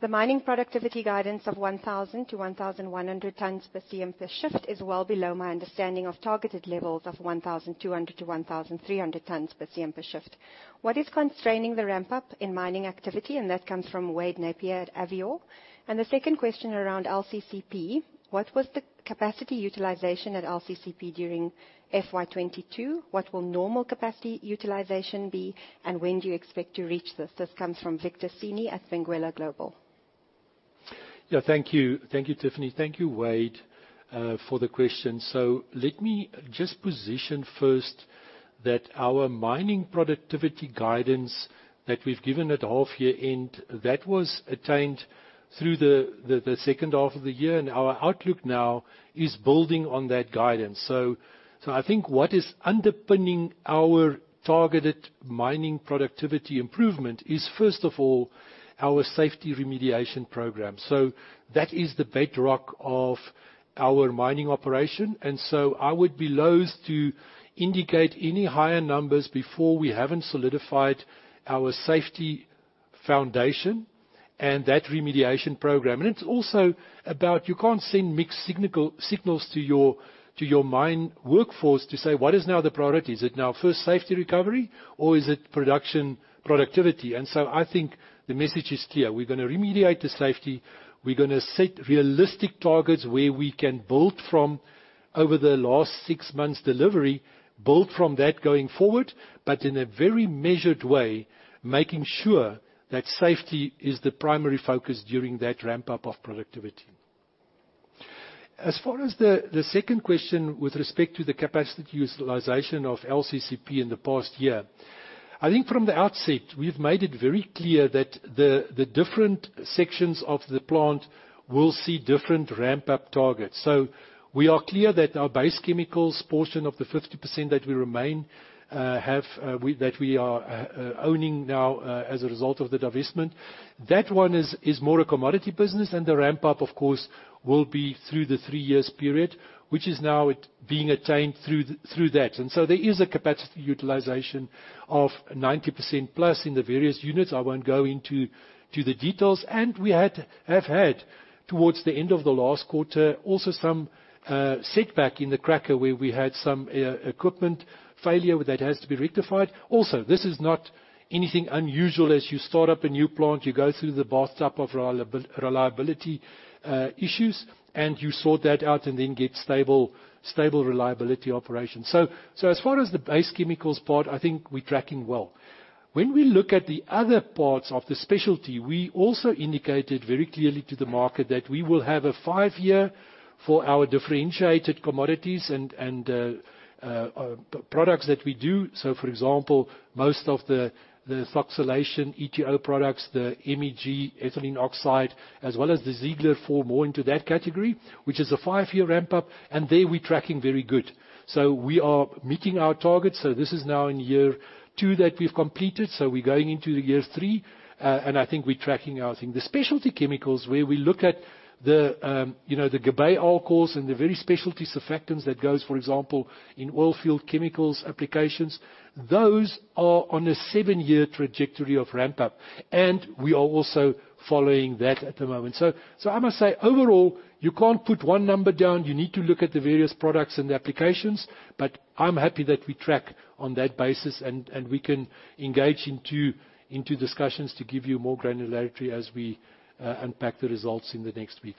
The mining productivity guidance of 1,000 to 1,100 tons per CM per shift is well below my understanding of targeted levels of 1,200 to 1,300 tons per CM per shift. What is constraining the ramp-up in mining activity? That comes from Wade Napier at Avior. The second question around LCCP, what was the capacity utilization at LCCP during FY 2022? What will normal capacity utilization be, and when do you expect to reach this? This comes from Victor Sini at Benguela Global. Thank you, Tiffany. Thank you, Wade, for the question. Let me just position first that our mining productivity guidance that we've given at half year end, that was attained through the second half of the year, and our outlook now is building on that guidance. I think what is underpinning our targeted mining productivity improvement is, first of all, our safety remediation program. That is the bedrock of our mining operation. I would be loath to indicate any higher numbers before we haven't solidified our safety foundation and that remediation program. It's also about you can't send mixed signals to your mine workforce to say, what is now the priority? Is it now first safety recovery or is it production productivity? I think the message is clear. We're going to remediate the safety. We're going to set realistic targets where we can build from over the last six months delivery, build from that going forward, but in a very measured way, making sure that safety is the primary focus during that ramp-up of productivity. As far as the second question with respect to the capacity utilization of LCCP in the past year, I think from the outset, we've made it very clear that the different sections of the plant will see different ramp-up targets. We are clear that our base chemicals portion of the 50% that we are owning now as a result of the divestment, that one is more a commodity business and the ramp-up, of course, will be through the three years period, which is now being attained through that. There is a capacity utilization of 90% plus in the various units. I won't go into the details. We have had, towards the end of the last quarter also some setback in the cracker where we had some equipment failure that has to be rectified. Also, this is not anything unusual as you start up a new plant, you go through the bathtub of reliability issues, and you sort that out and then get stable reliability operations. As far as the base chemicals part, I think we're tracking well. When we look at the other parts of the specialty, we also indicated very clearly to the market that we will have a 5-year for our differentiated commodities and products that we do. For example, most of the ethoxylation ETO products, the MEG ethylene oxide, as well as the Ziegler fall more into that category, which is a 5-year ramp-up, and there we're tracking very good. We are meeting our targets. This is now in year 2 that we've completed. We're going into the year 3, and I think we're tracking our thing. The specialty chemicals where we look at the Guerbet alcohols and the very specialty surfactants that goes, for example, in oil field chemicals applications, those are on a 7-year trajectory of ramp-up, and we are also following that at the moment. I must say, overall, you can't put one number down. You need to look at the various products and the applications, but I'm happy that we track on that basis and we can engage into discussions to give you more granularity as we unpack the results in the next week.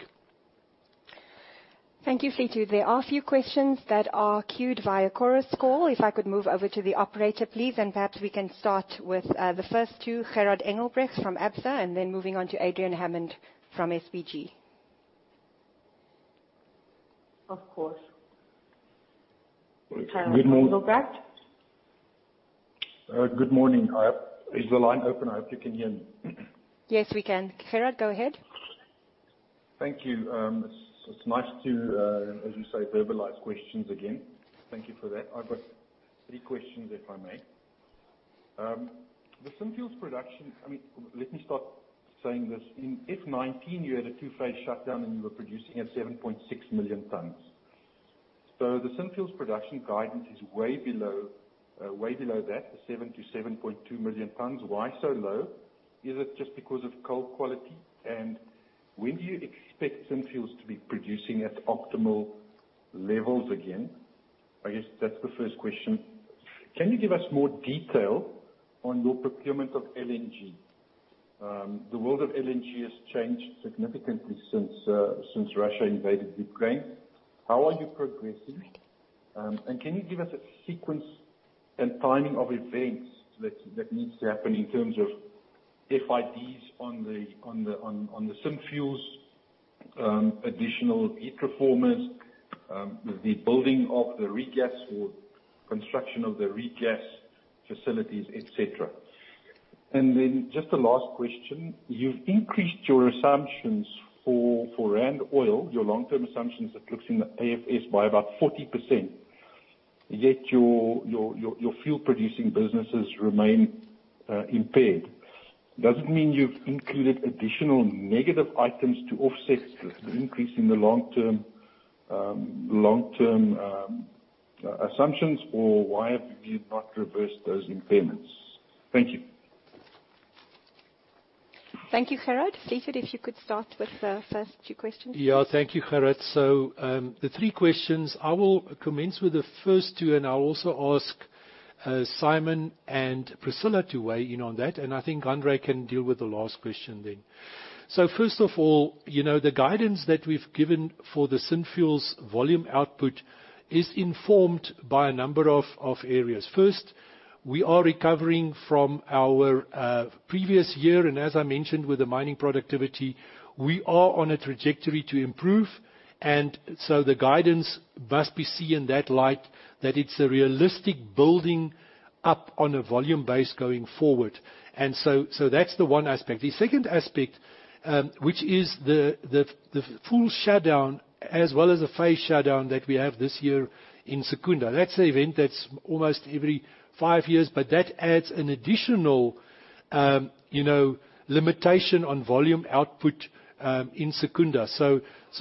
Thank you, Fleetwood. There are a few questions that are queued via Chorus Call. If I could move over to the operator, please, and perhaps we can start with the first two, Gerhard Engelbrecht from Absa, and then moving on to Adrian Hammond from SBG. Of course. Gerhard Engelbrecht. Good morning. Good morning. Is the line open? I hope you can hear me. Yes, we can. Gerhard, go ahead. Thank you. It's nice to, as you say, verbalize questions again. Thank you for that. I've got three questions, if I may. The Synfuels production, let me start saying this. In FY 2019, you had a two-phase shutdown and you were producing at 7.6 million tons. The Synfuels production guidance is way below that, the seven to 7.2 million tons. Why so low? Is it just because of coal quality? When do you expect Synfuels to be producing at optimal levels again? I guess that's the first question. Can you give us more detail on your procurement of LNG? The world of LNG has changed significantly since Russia invaded Ukraine. How are you progressing? Can you give us a sequence and timing of events that needs to happen in terms of FIDs on the Synfuels, additional heat reformers, the building of the regas, or construction of the regas facilities, et cetera. Just a last question, you've increased your assumptions for ZAR oil, your long-term assumptions that looks in the AFS by about 40%, yet your fuel-producing businesses remain impaired. Does it mean you've included additional negative items to offset this increase in the long-term assumptions, or why have you not reversed those impairments? Thank you. Thank you, Gerrit. Fleetwood, if you could start with the first two questions. Thank you, Gerrit. The 3 questions, I will commence with the first 2, I'll also ask Simon and Priscilla to weigh in on that, and I think Hanré can deal with the last question. First of all, the guidance that we've given for the Synfuels volume output is informed by a number of areas. First, we are recovering from our previous year. As I mentioned with the mining productivity, we are on a trajectory to improve. The guidance must be seen in that light, that it's a realistic building up on a volume base going forward. That's the one aspect. The second aspect, which is the full shutdown as well as the phase shutdown that we have this year in Secunda. That's an event that's almost every 5 years, but that adds an additional limitation on volume output in Secunda.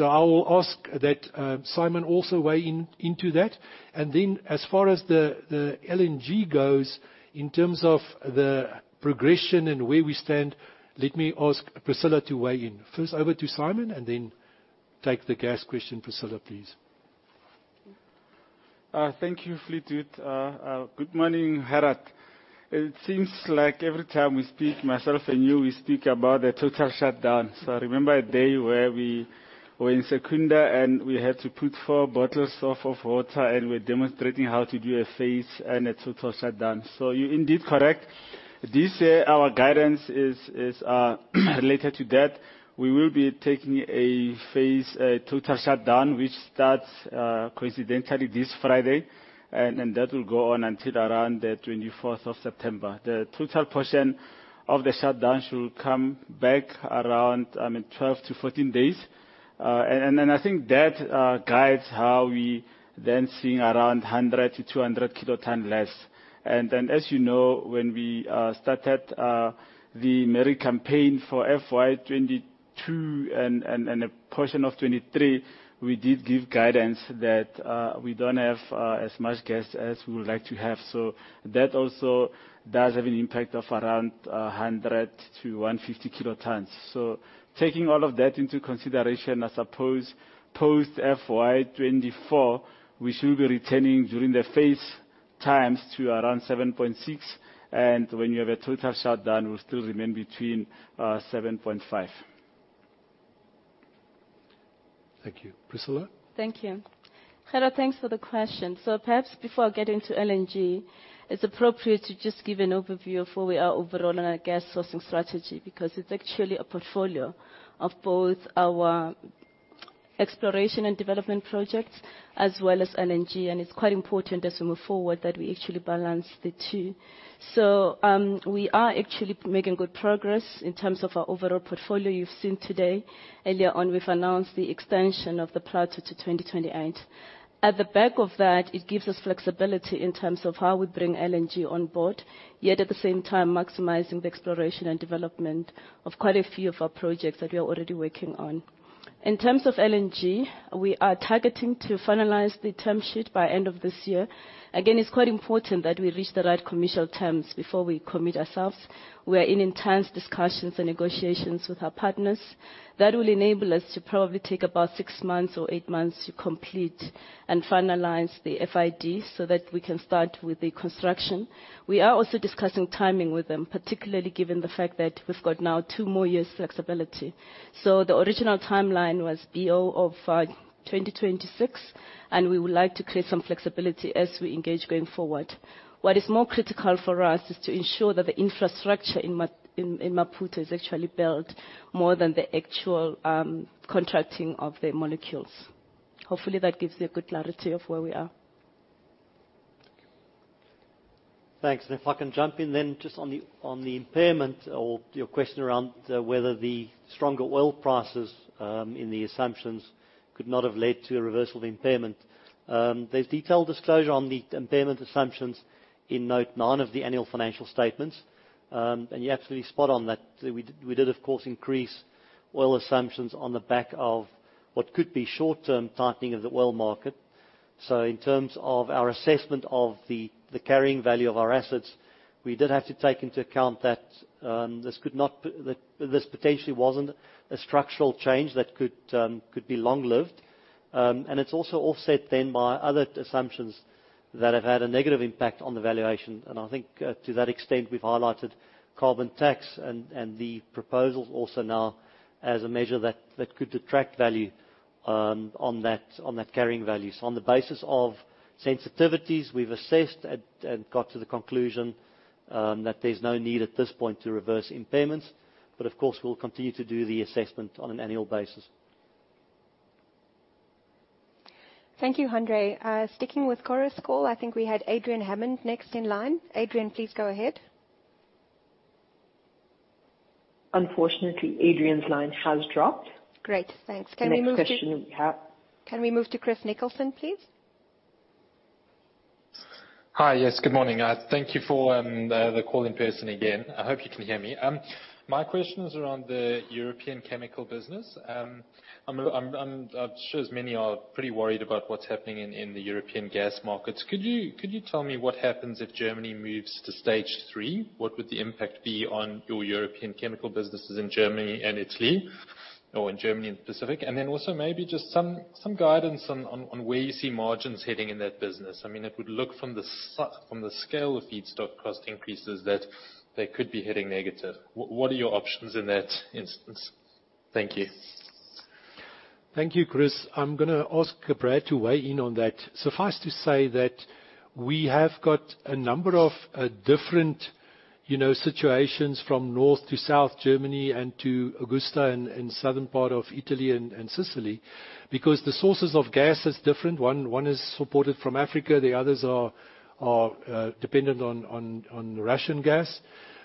I will ask that Simon also weigh into that. As far as the LNG goes, in terms of the progression and where we stand, let me ask Priscilla to weigh in. First over to Simon. Then take the gas question, Priscilla, please. Thank you, Fleetwood. Good morning, Gerrit. It seems like every time we speak, myself and you, we speak about a total shutdown. I remember a day where we were in Secunda, and we had to put 4 bottles of water, and we're demonstrating how to do a phase and a total shutdown. You're indeed correct. This year, our guidance is related to that. We will be taking a total shutdown, which starts coincidentally this Friday, and that will go on until around the 24th of September. The total portion of the shutdown should come back around 12 to 14 days. I think that guides how we then seeing around 100 to 200 kilotonne less. As you know, when we started the Merry campaign for FY 2022 and a portion of 2023, we did give guidance that we don't have as much gas as we would like to have. That also does have an impact of around 100 to 150 kilotonnes. Taking all of that into consideration, I suppose post FY 2024, we should be returning during the phase times to around 7.6, and when you have a total shutdown, we'll still remain between 7.5. Thank you. Priscilla? Thank you. Gerrit, thanks for the question. Perhaps before I get into LNG, it's appropriate to just give an overview of where we are overall in our gas sourcing strategy, because it's actually a portfolio of both our exploration and development projects as well as LNG, and it's quite important as we move forward that we actually balance the two. We are actually making good progress in terms of our overall portfolio. You've seen today, earlier on, we've announced the extension of the plateau to 2028. At the back of that, it gives us flexibility in terms of how we bring LNG on board, yet at the same time maximizing the exploration and development of quite a few of our projects that we are already working on. In terms of LNG, we are targeting to finalize the term sheet by end of this year. Again, it's quite important that we reach the right commercial terms before we commit ourselves. We are in intense discussions and negotiations with our partners. That will enable us to probably take about six months or eight months to complete and finalize the FID so that we can start with the construction. We are also discussing timing with them, particularly given the fact that we've got now two more years flexibility. The original timeline was BOD of 2026, and we would like to create some flexibility as we engage going forward. What is more critical for us is to ensure that the infrastructure in Maputo is actually built more than the actual contracting of the molecules. Hopefully, that gives you a good clarity of where we are. Thank you. Thanks. If I can jump in then just on the impairment or your question around whether the stronger oil prices in the assumptions could not have led to a reversal of impairment. There's detailed disclosure on the impairment assumptions in note nine of the annual financial statements, you're absolutely spot on that we did of course increase oil assumptions on the back of what could be short-term tightening of the oil market. In terms of our assessment of the carrying value of our assets, we did have to take into account that this potentially wasn't a structural change that could be long-lived. It's also offset then by other assumptions that have had a negative impact on the valuation. I think to that extent, we've highlighted carbon tax and the proposals also now as a measure that could detract value on that carrying value. On the basis of sensitivities, we've assessed and got to the conclusion that there's no need at this point to reverse impairments. Of course, we'll continue to do the assessment on an annual basis. Thank you, Hanré. Sticking with Chorus Call, I think we had Adrian Hammond next in line. Adrian, please go ahead. Unfortunately, Adrian's line has dropped. Great. Thanks. Next question we have. Can we move to Chris Nicholson, please? Hi. Yes, good morning. Thank you for the call in person again. I hope you can hear me. My question is around the European chemical business. I'm sure many are pretty worried about what's happening in the European gas markets. Could you tell me what happens if Germany moves to stage 3? What would the impact be on your European chemical businesses in Germany and Italy or in Germany in specific? Then also maybe just some guidance on where you see margins heading in that business. It would look from the scale of feedstock cost increases that they could be hitting negative. What are your options in that instance? Thank you. Thank you, Chris. I'm going to ask Brad to weigh in on that. Suffice to say that we have got a number of different situations from North to South Germany and to Augusta and southern part of Italy and Sicily because the sources of gas is different. One is supported from Africa, the others are dependent on Russian gas.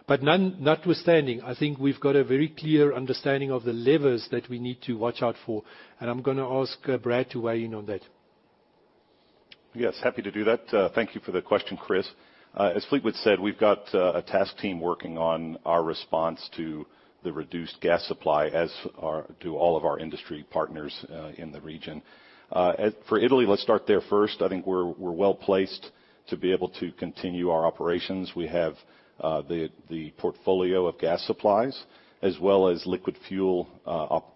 Notwithstanding, I think we've got a very clear understanding of the levers that we need to watch out for. I'm going to ask Brad to weigh in on that. Yes, happy to do that. Thank you for the question, Chris. As Fleetwood said, we've got a task team working on our response to the reduced gas supply, as do all of our industry partners in the region. For Italy, let's start there first. I think we're well-placed to be able to continue our operations. We have the portfolio of gas supplies as well as liquid fuel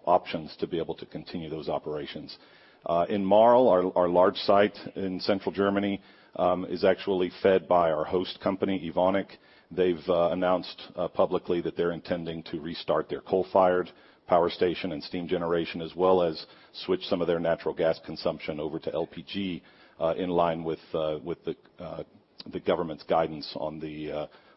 options to be able to continue those operations. In Marl, our large site in central Germany, is actually fed by our host company, Evonik. They've announced publicly that they're intending to restart their coal-fired power station and steam generation, as well as switch some of their natural gas consumption over to LPG in line with the government's guidance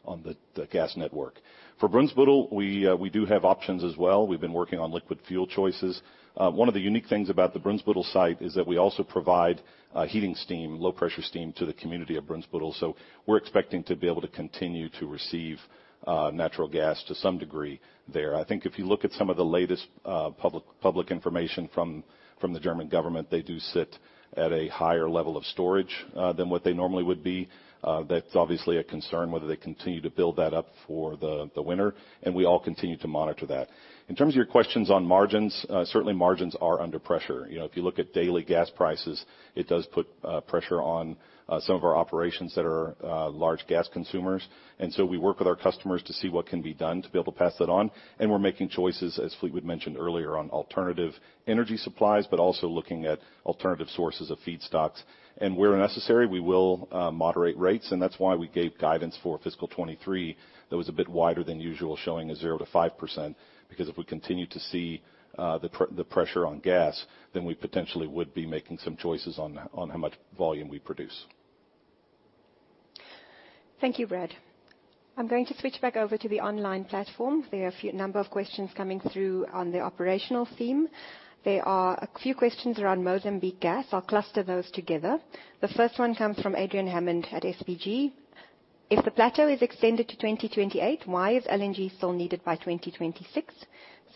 on the gas network. For Brunsbüttel, we do have options as well. We've been working on liquid fuel choices. One of the unique things about the Brunsbüttel site is that we also provide heating steam, low-pressure steam, to the community of Brunsbüttel. We're expecting to be able to continue to receive natural gas to some degree there. I think if you look at some of the latest public information from the German government, they do sit at a higher level of storage than what they normally would be. That's obviously a concern whether they continue to build that up for the winter, and we all continue to monitor that. In terms of your questions on margins, certainly margins are under pressure. If you look at daily gas prices, it does put pressure on some of our operations that are large gas consumers. We work with our customers to see what can be done to be able to pass that on. We're making choices, as Fleetwood mentioned earlier, on alternative energy supplies, but also looking at alternative sources of feedstocks. Where necessary, we will moderate rates, and that's why we gave guidance for fiscal 2023 that was a bit wider than usual, showing a 0%-5%, if we continue to see the pressure on gas, we potentially would be making some choices on how much volume we produce. Thank you, Brad. I'm going to switch back over to the online platform. There are a number of questions coming through on the operational theme. There are a few questions around Mozambique gas. I'll cluster those together. The first one comes from Adrian Hammond at SBG. If the plateau is extended to 2028, why is LNG still needed by 2026?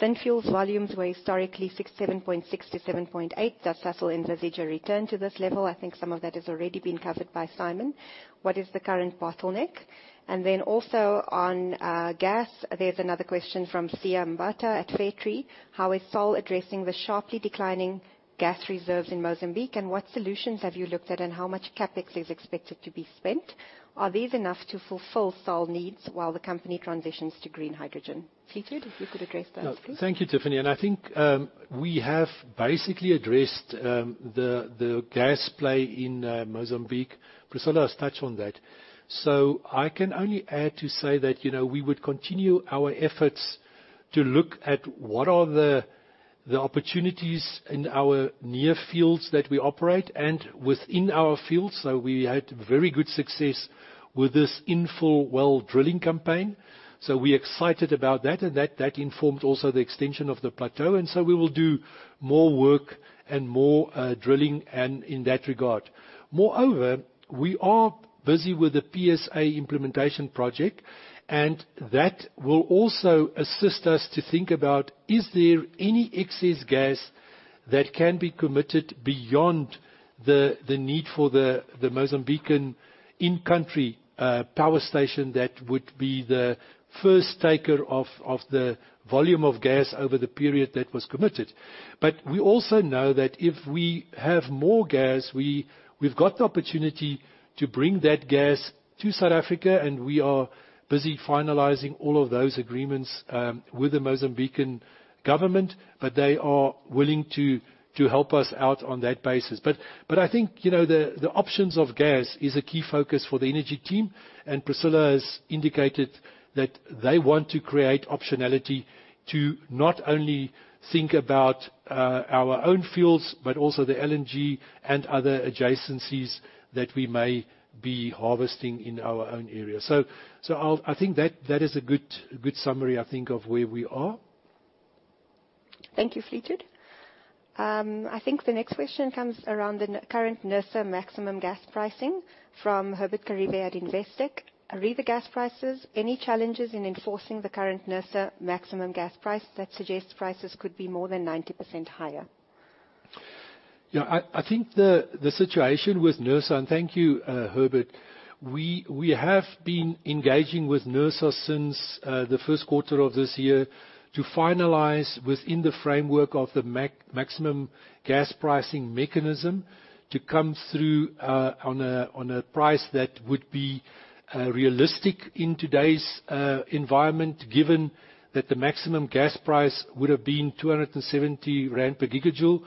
Synfuels volumes were historically 6.6 to 7.8. Does Sasol envisage a return to this level? I think some of that has already been covered by Simon. What is the current bottleneck? Also on gas, there's another question from Sia Mbata at Fairtree. How is Sasol addressing the sharply declining gas reserves in Mozambique, and what solutions have you looked at, and how much CapEx is expected to be spent? Are these enough to fulfill Sasol needs while the company transitions to green hydrogen? Fleetwood, if you could address that, please. Thank you, Tiffany. I think we have basically addressed the gas play in Mozambique. Priscillah has touched on that. I can only add to say that we would continue our efforts to look at what are the opportunities in our near fields that we operate and within our fields. We had very good success with this infill well drilling campaign, so we're excited about that. That informed also the extension of the plateau, and we will do more work and more drilling in that regard. Moreover, we are busy with the PSA implementation project, and that will also assist us to think about, is there any excess gas that can be committed beyond the need for the Mozambican in-country power station that would be the first taker of the volume of gas over the period that was committed. We also know that if we have more gas, we've got the opportunity to bring that gas to South Africa, and we are busy finalizing all of those agreements with the Mozambican government, they are willing to help us out on that basis. I think the options of gas is a key focus for the energy team, and Priscillah has indicated that they want to create optionality to not only think about our own fields, but also the LNG and other adjacencies that we may be harvesting in our own area. I think that is a good summary, I think, of where we are. Thank you, Fleetwood. I think the next question comes around the current NERSA maximum gas pricing from Herbert Karibe at Investec. Re the gas prices, any challenges in enforcing the current NERSA maximum gas price that suggests prices could be more than 90% higher? Yeah. I think the situation with NERSA. Thank you, Herbert. We have been engaging with NERSA since the first quarter of this year to finalize within the framework of the maximum gas pricing mechanism to come through on a price that would be realistic in today's environment, given that the maximum gas price would've been 270 rand per gigajoule.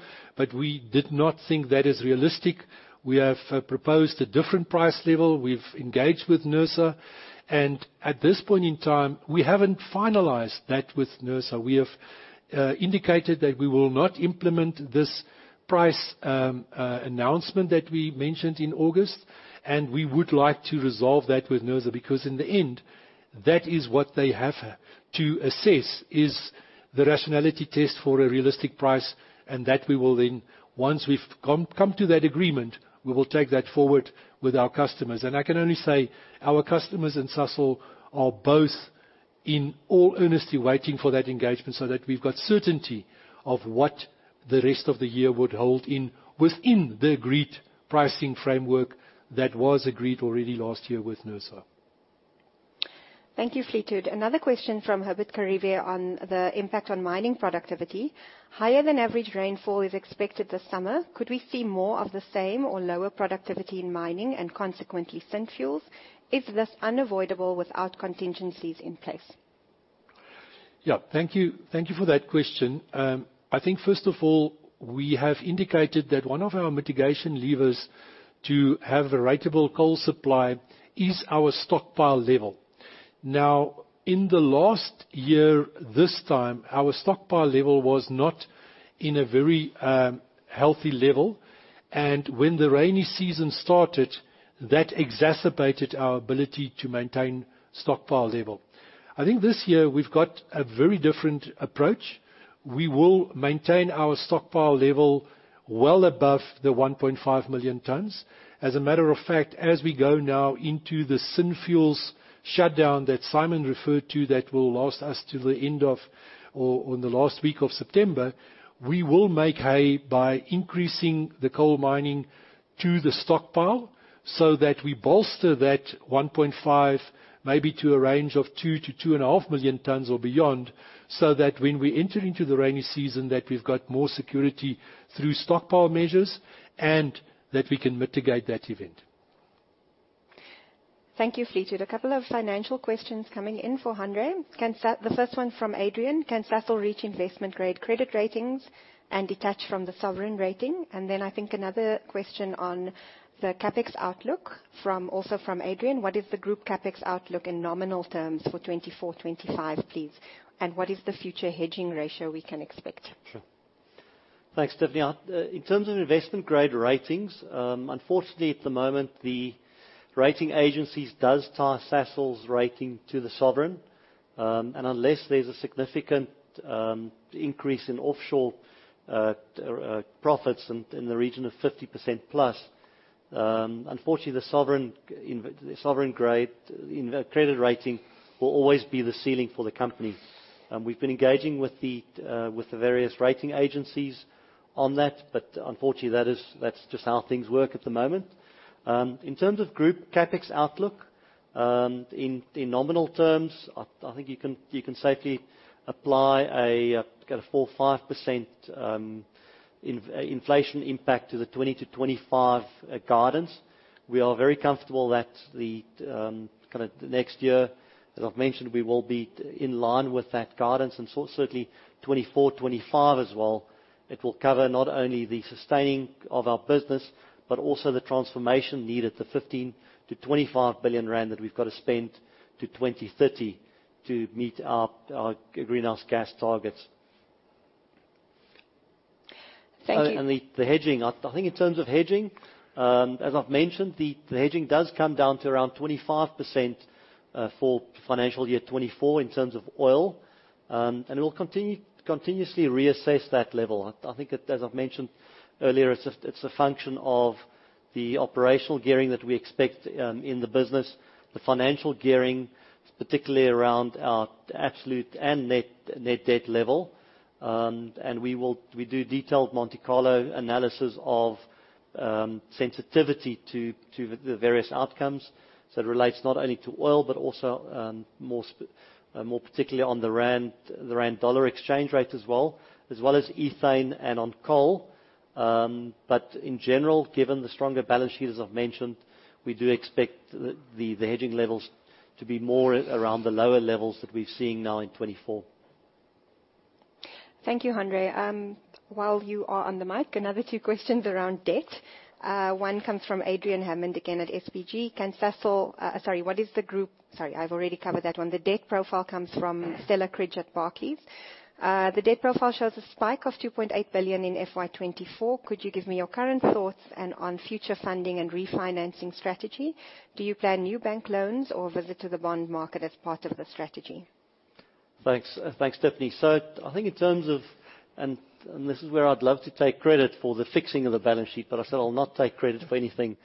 We did not think that is realistic. We have proposed a different price level. We've engaged with NERSA, at this point in time, we haven't finalized that with NERSA. We have indicated that we will not implement this price announcement that we mentioned in August, and we would like to resolve that with NERSA, because in the end, that is what they have to assess, is the rationality test for a realistic price, and that we will then, once we've come to that agreement, we will take that forward with our customers. I can only say our customers and Sasol are both in all earnestness waiting for that engagement so that we've got certainty of what the rest of the year would hold within the agreed pricing framework that was agreed already last year with NERSA. Thank you, Fleetwood. Another question from Herbert Karibe on the impact on mining productivity. Higher than average rainfall is expected this summer. Could we see more of the same or lower productivity in mining and consequently synfuels? Is this unavoidable without contingencies in place? Thank you for that question. I think first of all, we have indicated that one of our mitigation levers to have a ratable coal supply is our stockpile level. In the last year, this time, our stockpile level was not in a very healthy level, and when the rainy season started, that exacerbated our ability to maintain stockpile level. I think this year we've got a very different approach. We will maintain our stockpile level well above the 1.5 million tons. As a matter of fact, as we go now into the Synfuels shutdown that Simon referred to that will last us till the end of or the last week of September, we will make hay by increasing the coal mining to the stockpile so that we bolster that 1.5 maybe to a range of 2 to 2.5 million tons or beyond, so that when we enter into the rainy season, that we've got more security through stockpile measures and that we can mitigate that event. Thank you, Fleetwood. A couple of financial questions coming in for Hanré. The first one from Adrian. Can Sasol reach investment-grade credit ratings and detach from the sovereign rating? I think another question on the CapEx outlook also from Adrian. What is the group CapEx outlook in nominal terms for 2024, 2025, please? What is the future hedging ratio we can expect? Sure. Thanks, Tiffany. In terms of investment grade ratings, unfortunately at the moment, the rating agencies does tie Sasol's rating to the sovereign. Unless there's a significant increase in offshore profits in the region of 50% plus, unfortunately, the sovereign grade credit rating will always be the ceiling for the company. We've been engaging with the various rating agencies on that, unfortunately, that's just how things work at the moment. In terms of group CapEx outlook, in nominal terms, I think you can safely apply a 4% or 5% inflation impact to the 2020 to 2025 guidance. We are very comfortable that the next year, as I've mentioned, we will be in line with that guidance certainly 2024, 2025 as well. It will cover not only the sustaining of our business, but also the transformation needed, the 15 billion-25 billion rand that we've got to spend to 2030 to meet our greenhouse gas targets. Thank you. The hedging. I think in terms of hedging, as I've mentioned, the hedging does come down to around 25% for FY 2024 in terms of oil. We'll continuously reassess that level. I think as I've mentioned earlier, it's a function of the operational gearing that we expect in the business, the financial gearing, particularly around our absolute and net debt level. We do detailed Monte Carlo analysis of sensitivity to the various outcomes. It relates not only to oil, but also more particularly on the ZAR/USD exchange rate as well, as well as ethane and on coal. In general, given the stronger balance sheet, as I've mentioned, we do expect the hedging levels to be more around the lower levels that we're seeing now in 2024. Thank you, Hanré. While you are on the mic, another two questions around debt. One comes from Adrian Hammond again at SBG. Sorry, I've already covered that one. The debt profile comes from Stella Cridge at Barclays. The debt profile shows a spike of 2.8 billion in FY 2024. Could you give me your current thoughts and on future funding and refinancing strategy? Do you plan new bank loans or visit to the bond market as part of the strategy? Thanks, Tiffany. I think in terms of, and this is where I'd love to take credit for the fixing of the balance sheet, but I said I'll not take credit for anything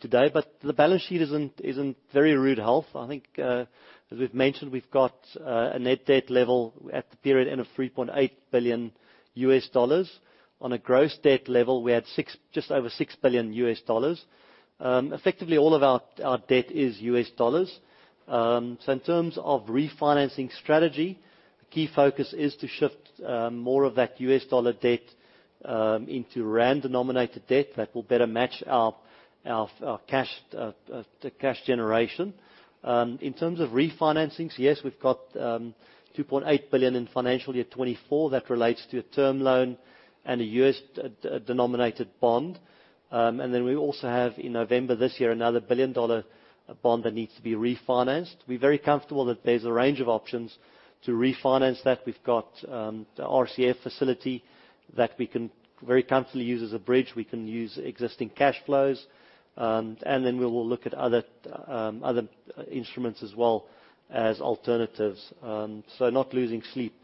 today. The balance sheet is in very rude health. I think, as we've mentioned, we've got a net debt level at the period end of $3.8 billion. On a gross debt level, we're at just over $6 billion. Effectively, all of our debt is U.S. dollars. In terms of refinancing strategy, the key focus is to shift more of that U.S. dollar debt into ZAR-denominated debt that will better match our cash generation. In terms of refinancings, yes, we've got $2.8 billion in FY 2024. That relates to a term loan and a U.S.-denominated bond. We also have, in November this year, another $1 billion bond that needs to be refinanced. We're very comfortable that there's a range of options to refinance that. We've got the RCF facility that we can very comfortably use as a bridge. We can use existing cash flows. We will look at other instruments as well as alternatives. Not losing sleep,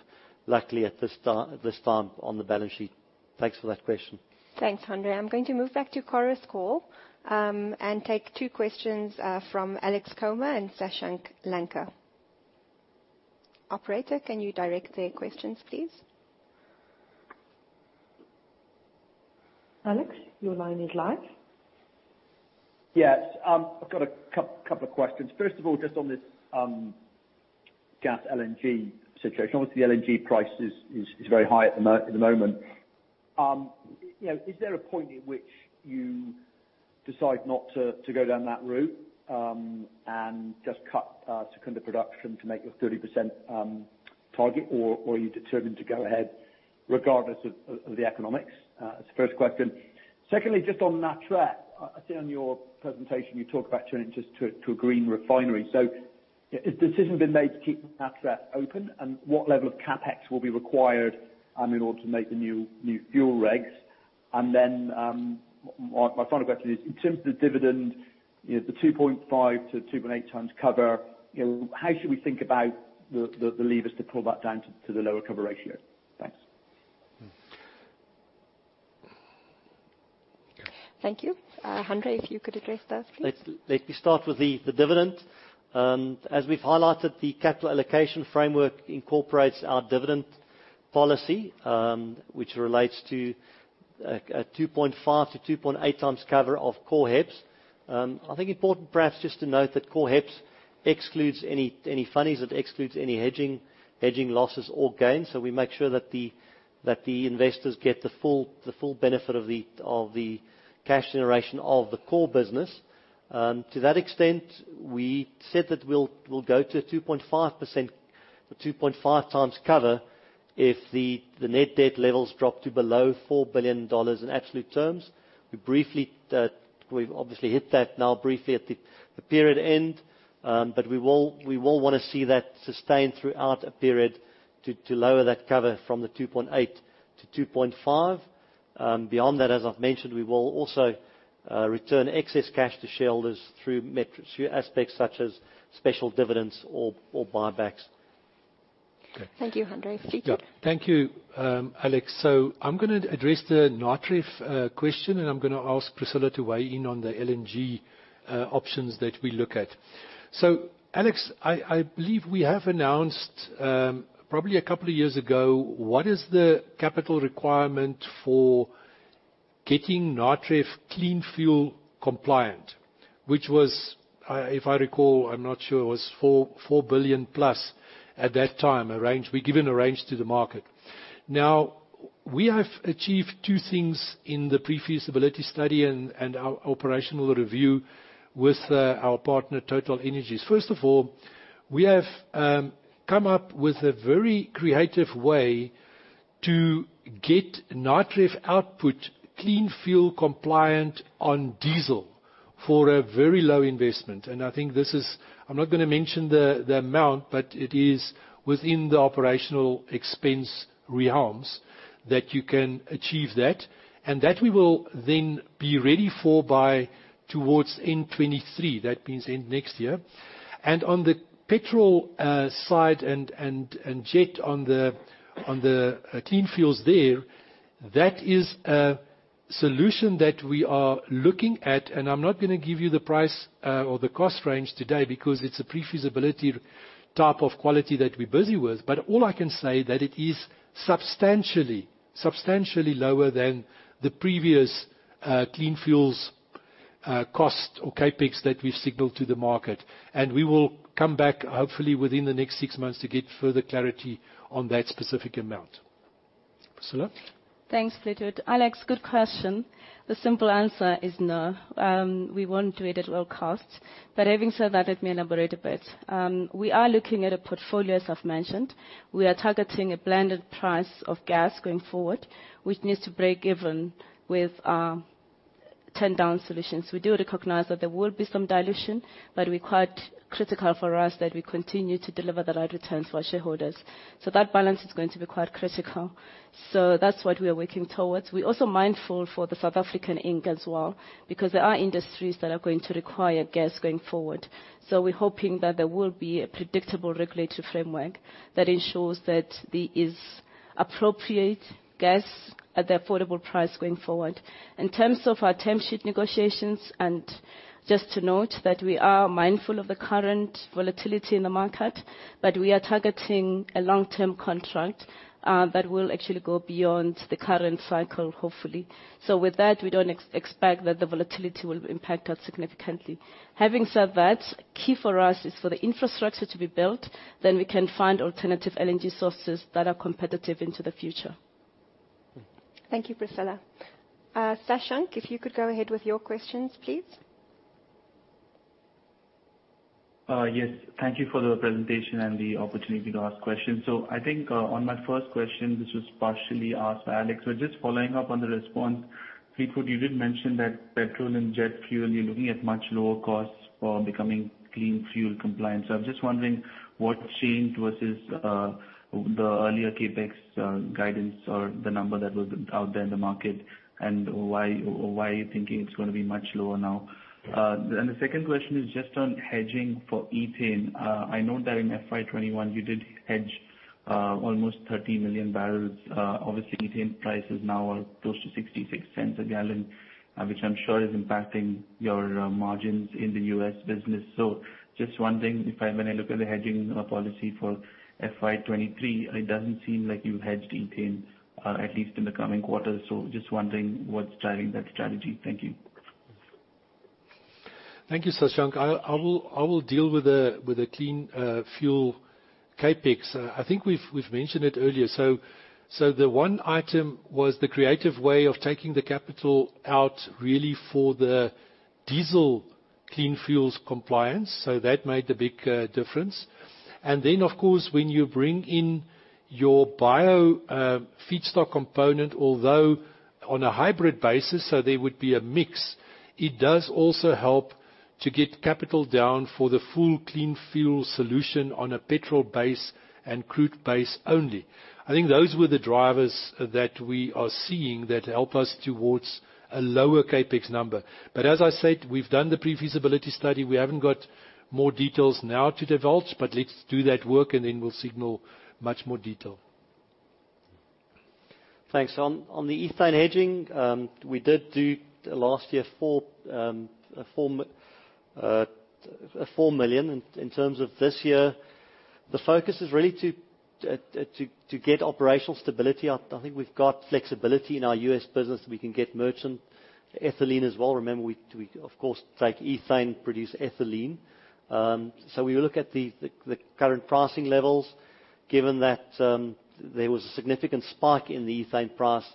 luckily, at this time, on the balance sheet. Thanks for that question. Thanks, Hanré. I'm going to move back to Chorus Call, and take two questions from Alex Comer and Sashank Lanka. Operator, can you direct their questions, please? Alex, your line is live. Yes. I've got a couple of questions. First of all, just on this gas LNG situation. Obviously, the LNG price is very high at the moment. Is there a point at which you decide not to go down that route, and just cut Secunda production to make your 30% target, or are you determined to go ahead regardless of the economics? That's the first question. Secondly, just on Natref, I see on your presentation you talk about turning just to a green refinery. Has the decision been made to keep Natref open? And what level of CapEx will be required in order to make the new fuel regs? My final question is, in terms of the dividend, the 2.5x to 2.8x cover, how should we think about the levers to pull that down to the lower cover ratio? Thanks. Thank you. Hanré, if you could address those, please. Let me start with the dividend. As we've highlighted, the capital allocation framework incorporates our dividend policy, which relates to a 2.5 to 2.8 times cover of core HEPS. I think important perhaps just to note that core HEPS excludes any funnies, it excludes any hedging losses or gains. We make sure that the investors get the full benefit of the cash generation of the core business. To that extent, we said that we'll go to 2.5 times cover if the net debt levels drop to below $4 billion in absolute terms. We've obviously hit that now briefly at the period end. We will want to see that sustained throughout a period to lower that cover from the 2.8 to 2.5. Beyond that, as I've mentioned, we will also return excess cash to shareholders through aspects such as special dividends or buybacks. Thank you, Hanré. Richard? Yeah. Thank you, Alex. I'm gonna address the Natref question, and I'm gonna ask Priscilla to weigh in on the LNG options that we look at. Alex, I believe we have announced, probably a couple of years ago, what is the capital requirement for getting Natref clean-fuel compliant. Which was, if I recall, I'm not sure, it was 4 billion plus at that time, a range. We'd given a range to the market. Now, we have achieved two things in the pre-feasibility study and our operational review with our partner, TotalEnergies. First of all, we have come up with a very creative way to get Natref output clean-fuel compliant on diesel for a very low investment. I'm not gonna mention the amount, but it is within the operational expense realms that you can achieve that. That we will then be ready for by towards end 2023. That means end next year. On the petrol side and jet on the clean fuels there, that is a solution that we are looking at. I'm not gonna give you the price, or the cost range today, because it's a pre-feasibility type of quality that we're busy with. All I can say that it is substantially lower than the previous clean fuels cost or CapEx that we've signaled to the market. We will come back, hopefully within the next six months, to get further clarity on that specific amount. Priscilla? Thanks, Richard. Alex, good question. The simple answer is no. We won't do it at all costs. Having said that, let me elaborate a bit. We are looking at a portfolio, as I've mentioned. We are targeting a blended price of gas going forward, which needs to break even with our 10-down solutions. We do recognize that there will be some dilution, but we're quite critical for us that we continue to deliver the right returns for our shareholders That balance is going to be quite critical. That's what we are working towards. We're also mindful for the South African Inc. as well, because there are industries that are going to require gas going forward. We're hoping that there will be a predictable regulatory framework that ensures that there is appropriate gas at the affordable price going forward. In terms of our term sheet negotiations, just to note that we are mindful of the current volatility in the market, we are targeting a long-term contract that will actually go beyond the current cycle, hopefully. With that, we don't expect that the volatility will impact us significantly. Having said that, key for us is for the infrastructure to be built, then we can find alternative LNG sources that are competitive into the future. Thank you, Priscilla. Sasank, if you could go ahead with your questions, please. Yes. Thank you for the presentation and the opportunity to ask questions. I think on my first question, which was partially asked by Alex, but just following up on the response, Fleetwood, you did mention that petrol and jet fuel, you're looking at much lower costs for becoming clean fuel compliant. I'm just wondering what changed versus the earlier CapEx guidance or the number that was out there in the market, and why you're thinking it is going to be much lower now. The second question is just on hedging for ethane. I know that in FY 2021 you did hedge almost 30 million barrels. Obviously, ethane prices now are close to 0.66 a gallon, which I am sure is impacting your margins in the U.S. business. Just wondering when I look at the hedging policy for FY 2023, it doesn't seem like you have hedged ethane, at least in the coming quarters. Just wondering what is driving that strategy. Thank you. Thank you, Sasank. I will deal with the clean fuel CapEx. I think we have mentioned it earlier. The one item was the creative way of taking the capital out really for the diesel clean fuels compliance. That made a big difference. Then of course, when you bring in your bio feedstock component, although on a hybrid basis, so there would be a mix, it does also help to get capital down for the full clean fuel solution on a petrol base and crude base only. I think those were the drivers that we are seeing that help us towards a lower CapEx number. As I said, we have done the pre-feasibility study. We haven't got more details now to divulge, but let's do that work and then we will signal much more detail. Thanks. On the ethane hedging, we did do last year 4 million. In terms of this year, the focus is really to get operational stability. I think we have got flexibility in our U.S. business. We can get merchant ethylene as well. Remember, we of course take ethane, produce ethylene. We look at the current pricing levels. Given that there was a significant spike in the ethane price,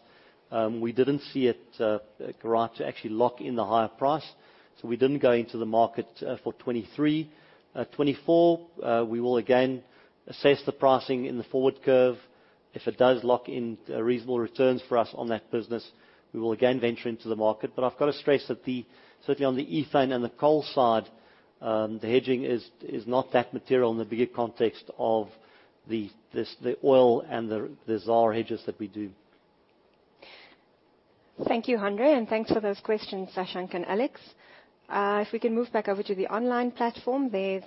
we didn't see it right to actually lock in the higher price. We didn't go into the market for 2023. 2024, we will again assess the pricing in the forward curve. If it does lock in reasonable returns for us on that business, we will again venture into the market. I've got to stress that the, certainly on the ethane and the coal side, the hedging is not that material in the bigger context of the oil and the ZAR hedges that we do. Thank you, Hanré, and thanks for those questions, Sashank and Alex. We can move back over to the online platform, there's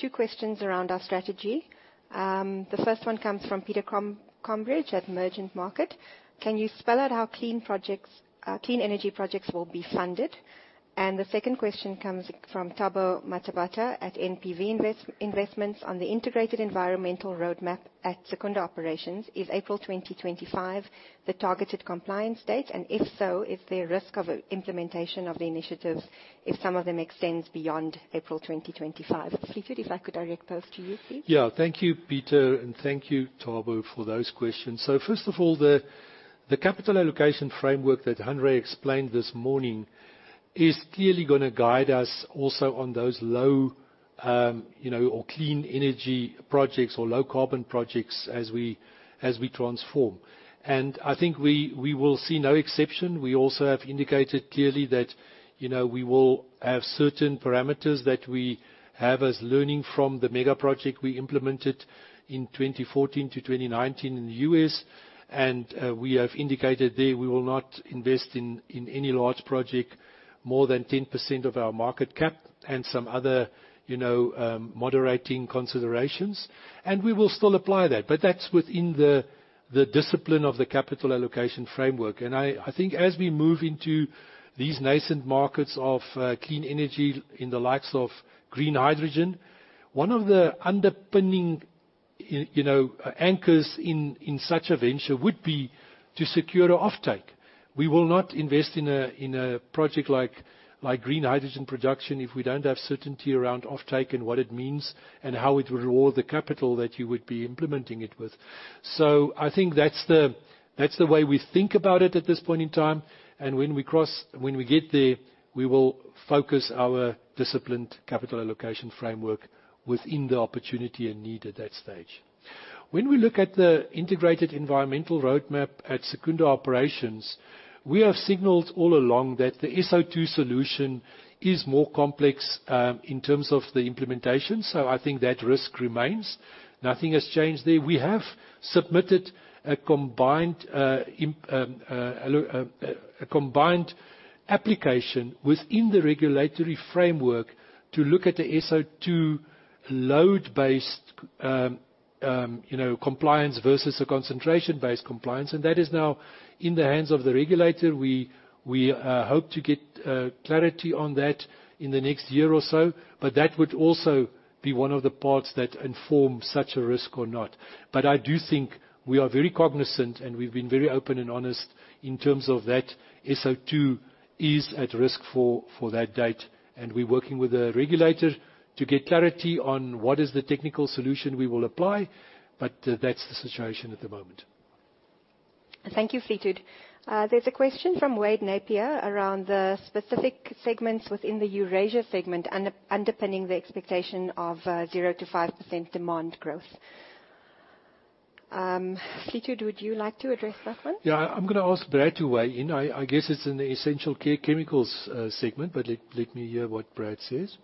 two questions around our strategy. The first one comes from Peter Combridge at Merchant Market. Can you spell out how clean energy projects will be funded? The second question comes from Thabo Matabatwa at NPV Investments on the integrated environmental roadmap at Secunda operations. Is April 2025 the targeted compliance date, and if so, is there risk of implementation of the initiatives if some of them extend beyond April 2025? Fleetwood, if I could direct those to you, please. Thank you, Peter, and thank you Thabo for those questions. First of all, the capital allocation framework that Hanré explained this morning is clearly going to guide us also on those low or clean energy projects or low carbon projects as we transform. I think we will see no exception. We also have indicated clearly that we will have certain parameters that we have as learning from the mega-project we implemented in 2014 to 2019 in the U.S., and we have indicated there we will not invest in any large project more than 10% of our market cap and some other moderating considerations. We will still apply that, but that's within the discipline of the capital allocation framework. I think as we move into these nascent markets of clean energy in the likes of green hydrogen, one of the underpinning anchors in such a venture would be to secure an offtake. We will not invest in a project like green hydrogen production if we don't have certainty around offtake and what it means and how it will reward the capital that you would be implementing it with. I think that's the way we think about it at this point in time. When we cross, when we get there, we will focus our disciplined capital allocation framework within the opportunity and need at that stage. When we look at the integrated environmental roadmap at Secunda operations, we have signaled all along that the SO2 solution is more complex in terms of the implementation. I think that risk remains. Nothing has changed there. We have submitted a combined application within the regulatory framework to look at the SO2 load-based compliance versus a concentration-based compliance, that is now in the hands of the regulator. We hope to get clarity on that in the next year or so, but that would also be one of the parts that inform such a risk or not. I do think we are very cognizant, and we've been very open and honest in terms of that SO2 is at risk for that date, and we're working with the regulator to get clarity on what is the technical solution we will apply, but that's the situation at the moment. Thank you, Fleetwood. There's a question from Wade Napier around the specific segments within the Eurasia segment underpinning the expectation of 0%-5% demand growth. Fleetwood, would you like to address that one? I'm going to ask Brad to weigh in. I guess it's in the essential care chemicals segment, let me hear what Brad says.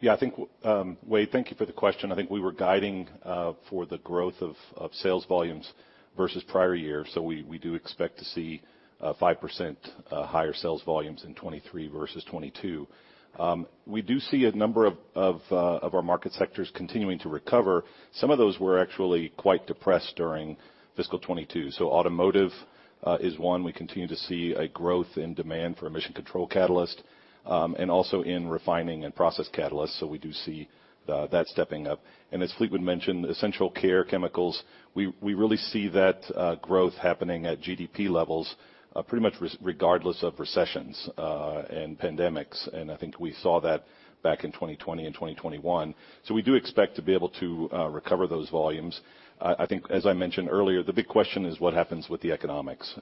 Wade, thank you for the question. I think we were guiding for the growth of sales volumes versus prior years. We do expect to see 5% higher sales volumes in 2023 versus 2022. We do see a number of our market sectors continuing to recover. Some of those were actually quite depressed during fiscal 2022. Automotive is one. We continue to see a growth in demand for emission control catalyst, and also in refining and process catalysts. We do see that stepping up. As Fleetwood mentioned, essential care chemicals, we really see that growth happening at GDP levels pretty much regardless of recessions and pandemics. I think we saw that back in 2020 and 2021. We do expect to be able to recover those volumes. I think, as I mentioned earlier, the big question is what happens with the economics.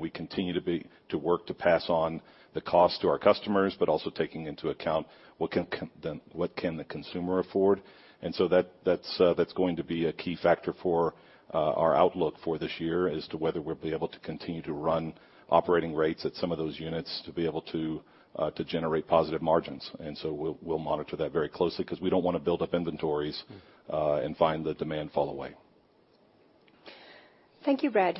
We continue to work to pass on the cost to our customers, also taking into account what can the consumer afford. That's going to be a key factor for our outlook for this year as to whether we'll be able to continue to run operating rates at some of those units to be able to generate positive margins. We'll monitor that very closely because we don't want to build up inventories and find the demand fall away. Thank you, Brad.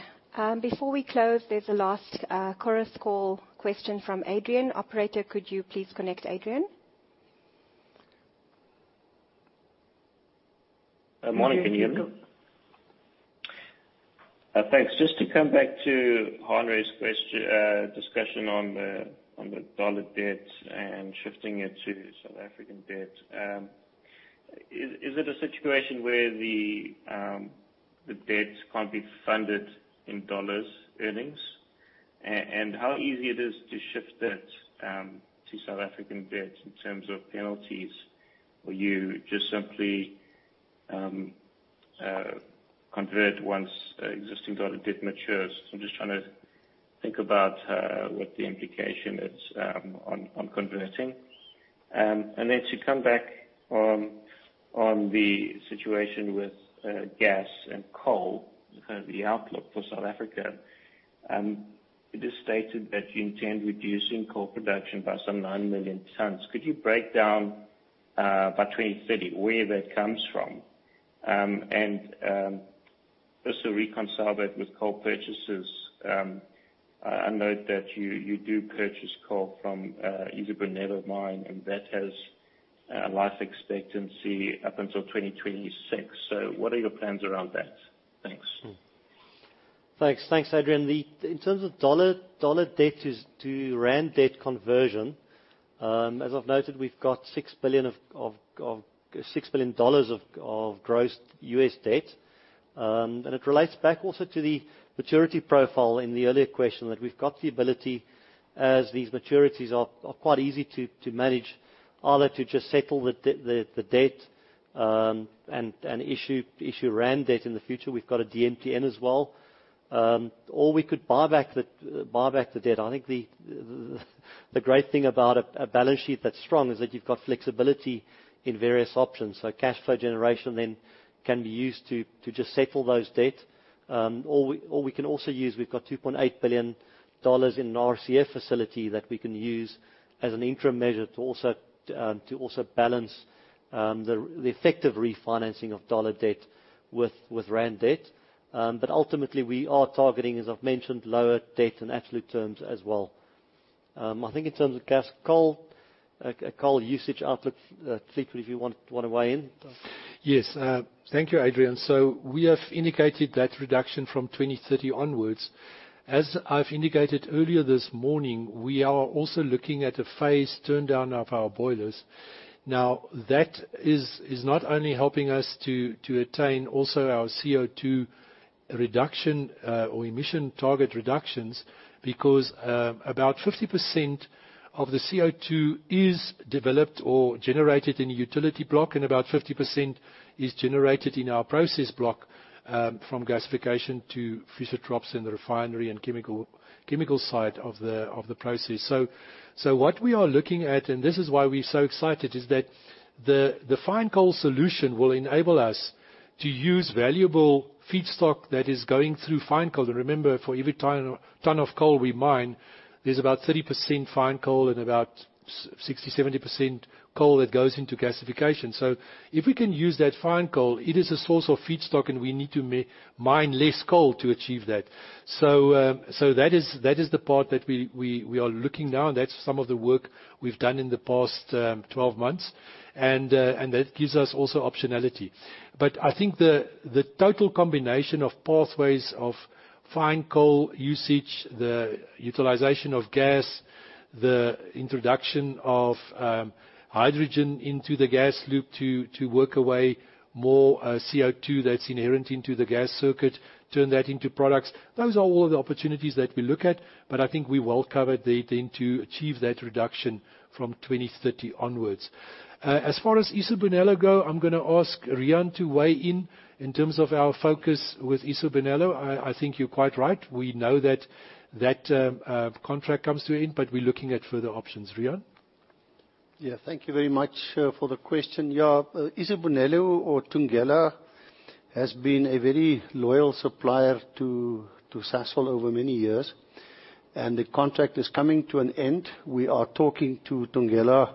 Before we close, there's a last Chorus Call question from Adrian. Operator, could you please connect Adrian? Morning, can you hear me? Thanks. Just to come back to Henry's discussion on the dollar debt and shifting it to South African debt. Is it a situation where the debt can't be funded in dollars earnings? How easy it is to shift that to South African debt in terms of penalties, or you just simply convert once existing dollar debt matures? I'm just trying to think about what the implication is on converting. Then to come back on the situation with gas and coal, the outlook for South Africa. It is stated that you intend reducing coal production by some 9 million tons. Could you break down by 2030 where that comes from? Also reconcile that with coal purchases. I note that you do purchase coal from Isibelo colliery and that has a life expectancy up until 2026. What are your plans around that? Thanks. Thanks, Adrian. In terms of dollar debt to rand debt conversion, as I've noted, we've got $6 billion of gross US debt. It relates back also to the maturity profile in the earlier question, that we've got the ability, as these maturities are quite easy to manage, either to just settle the debt and issue rand debt in the future. We've got a DMTN as well. We could buy back the debt. I think the great thing about a balance sheet that's strong is that you've got flexibility in various options. Cash flow generation then can be used to just settle those debt. We can also use, we've got $2.8 billion in our RCF facility that we can use as an interim measure to also balance the effective refinancing of dollar debt with rand debt. Ultimately we are targeting, as I've mentioned, lower debt in absolute terms as well. I think in terms of gas, coal usage outlook, Fleetwood, if you want to weigh in. Yes. Thank you, Adrian. We have indicated that reduction from 2030 onwards. As I've indicated earlier this morning, we are also looking at a phase turn down of our boilers. That is not only helping us to attain also our CO2 reduction or emission target reductions. About 50% of the CO2 is developed or generated in a utility block and about 50% is generated in our process block, from gasification to Fischer-Tropsch in the refinery and chemical side of the process. What we are looking at, and this is why we're so excited, is that the fine coal solution will enable us to use valuable feedstock that is going through fine coal. And remember, for every ton of coal we mine, there's about 30% fine coal and about 60%-70% coal that goes into gasification. If we can use that fine coal, it is a source of feedstock and we need to mine less coal to achieve that. That is the part that we are looking now, and that's some of the work we've done in the past 12 months. That gives us also optionality. I think the total combination of pathways of fine coal usage, the utilization of gas, the introduction of hydrogen into the gas loop to work away more CO2 that's inherent into the gas circuit, turn that into products, those are all the opportunities that we look at. I think we're well covered there then to achieve that reduction from 2030 onwards. As far as Isibonelo go, I'm going to ask Riaan to weigh in terms of our focus with Isibonelo. I think you're quite right. We know that that contract comes to end, but we're looking at further options. Riaan? Thank you very much for the question. Isibonelo or Thungela has been a very loyal supplier to Sasol over many years, and the contract is coming to an end. We are talking to Thungela,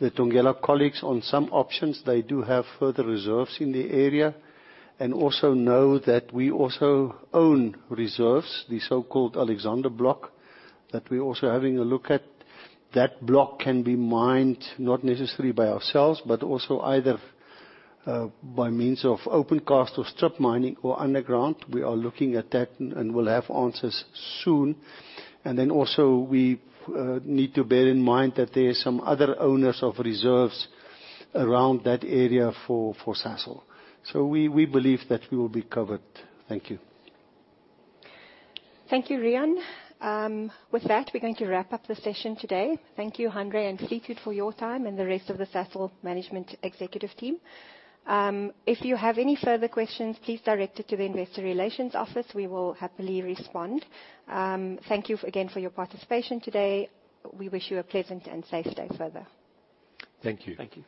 the Thungela colleagues on some options. They do have further reserves in the area, and also know that we also own reserves, the so-called Alexander Block, that we're also having a look at. That block can be mined, not necessarily by ourselves, but also either by means of open cast or strip mining or underground. We are looking at that and will have answers soon. We need to bear in mind that there are some other owners of reserves around that area for Sasol. We believe that we will be covered. Thank you. Thank you, Riaan. With that, we're going to wrap up the session today. Thank you, Hanré and Piet, for your time and the rest of the Sasol management executive team. If you have any further questions, please direct it to the investor relations office. We will happily respond. Thank you again for your participation today. We wish you a pleasant and safe day further. Thank you. Thank you.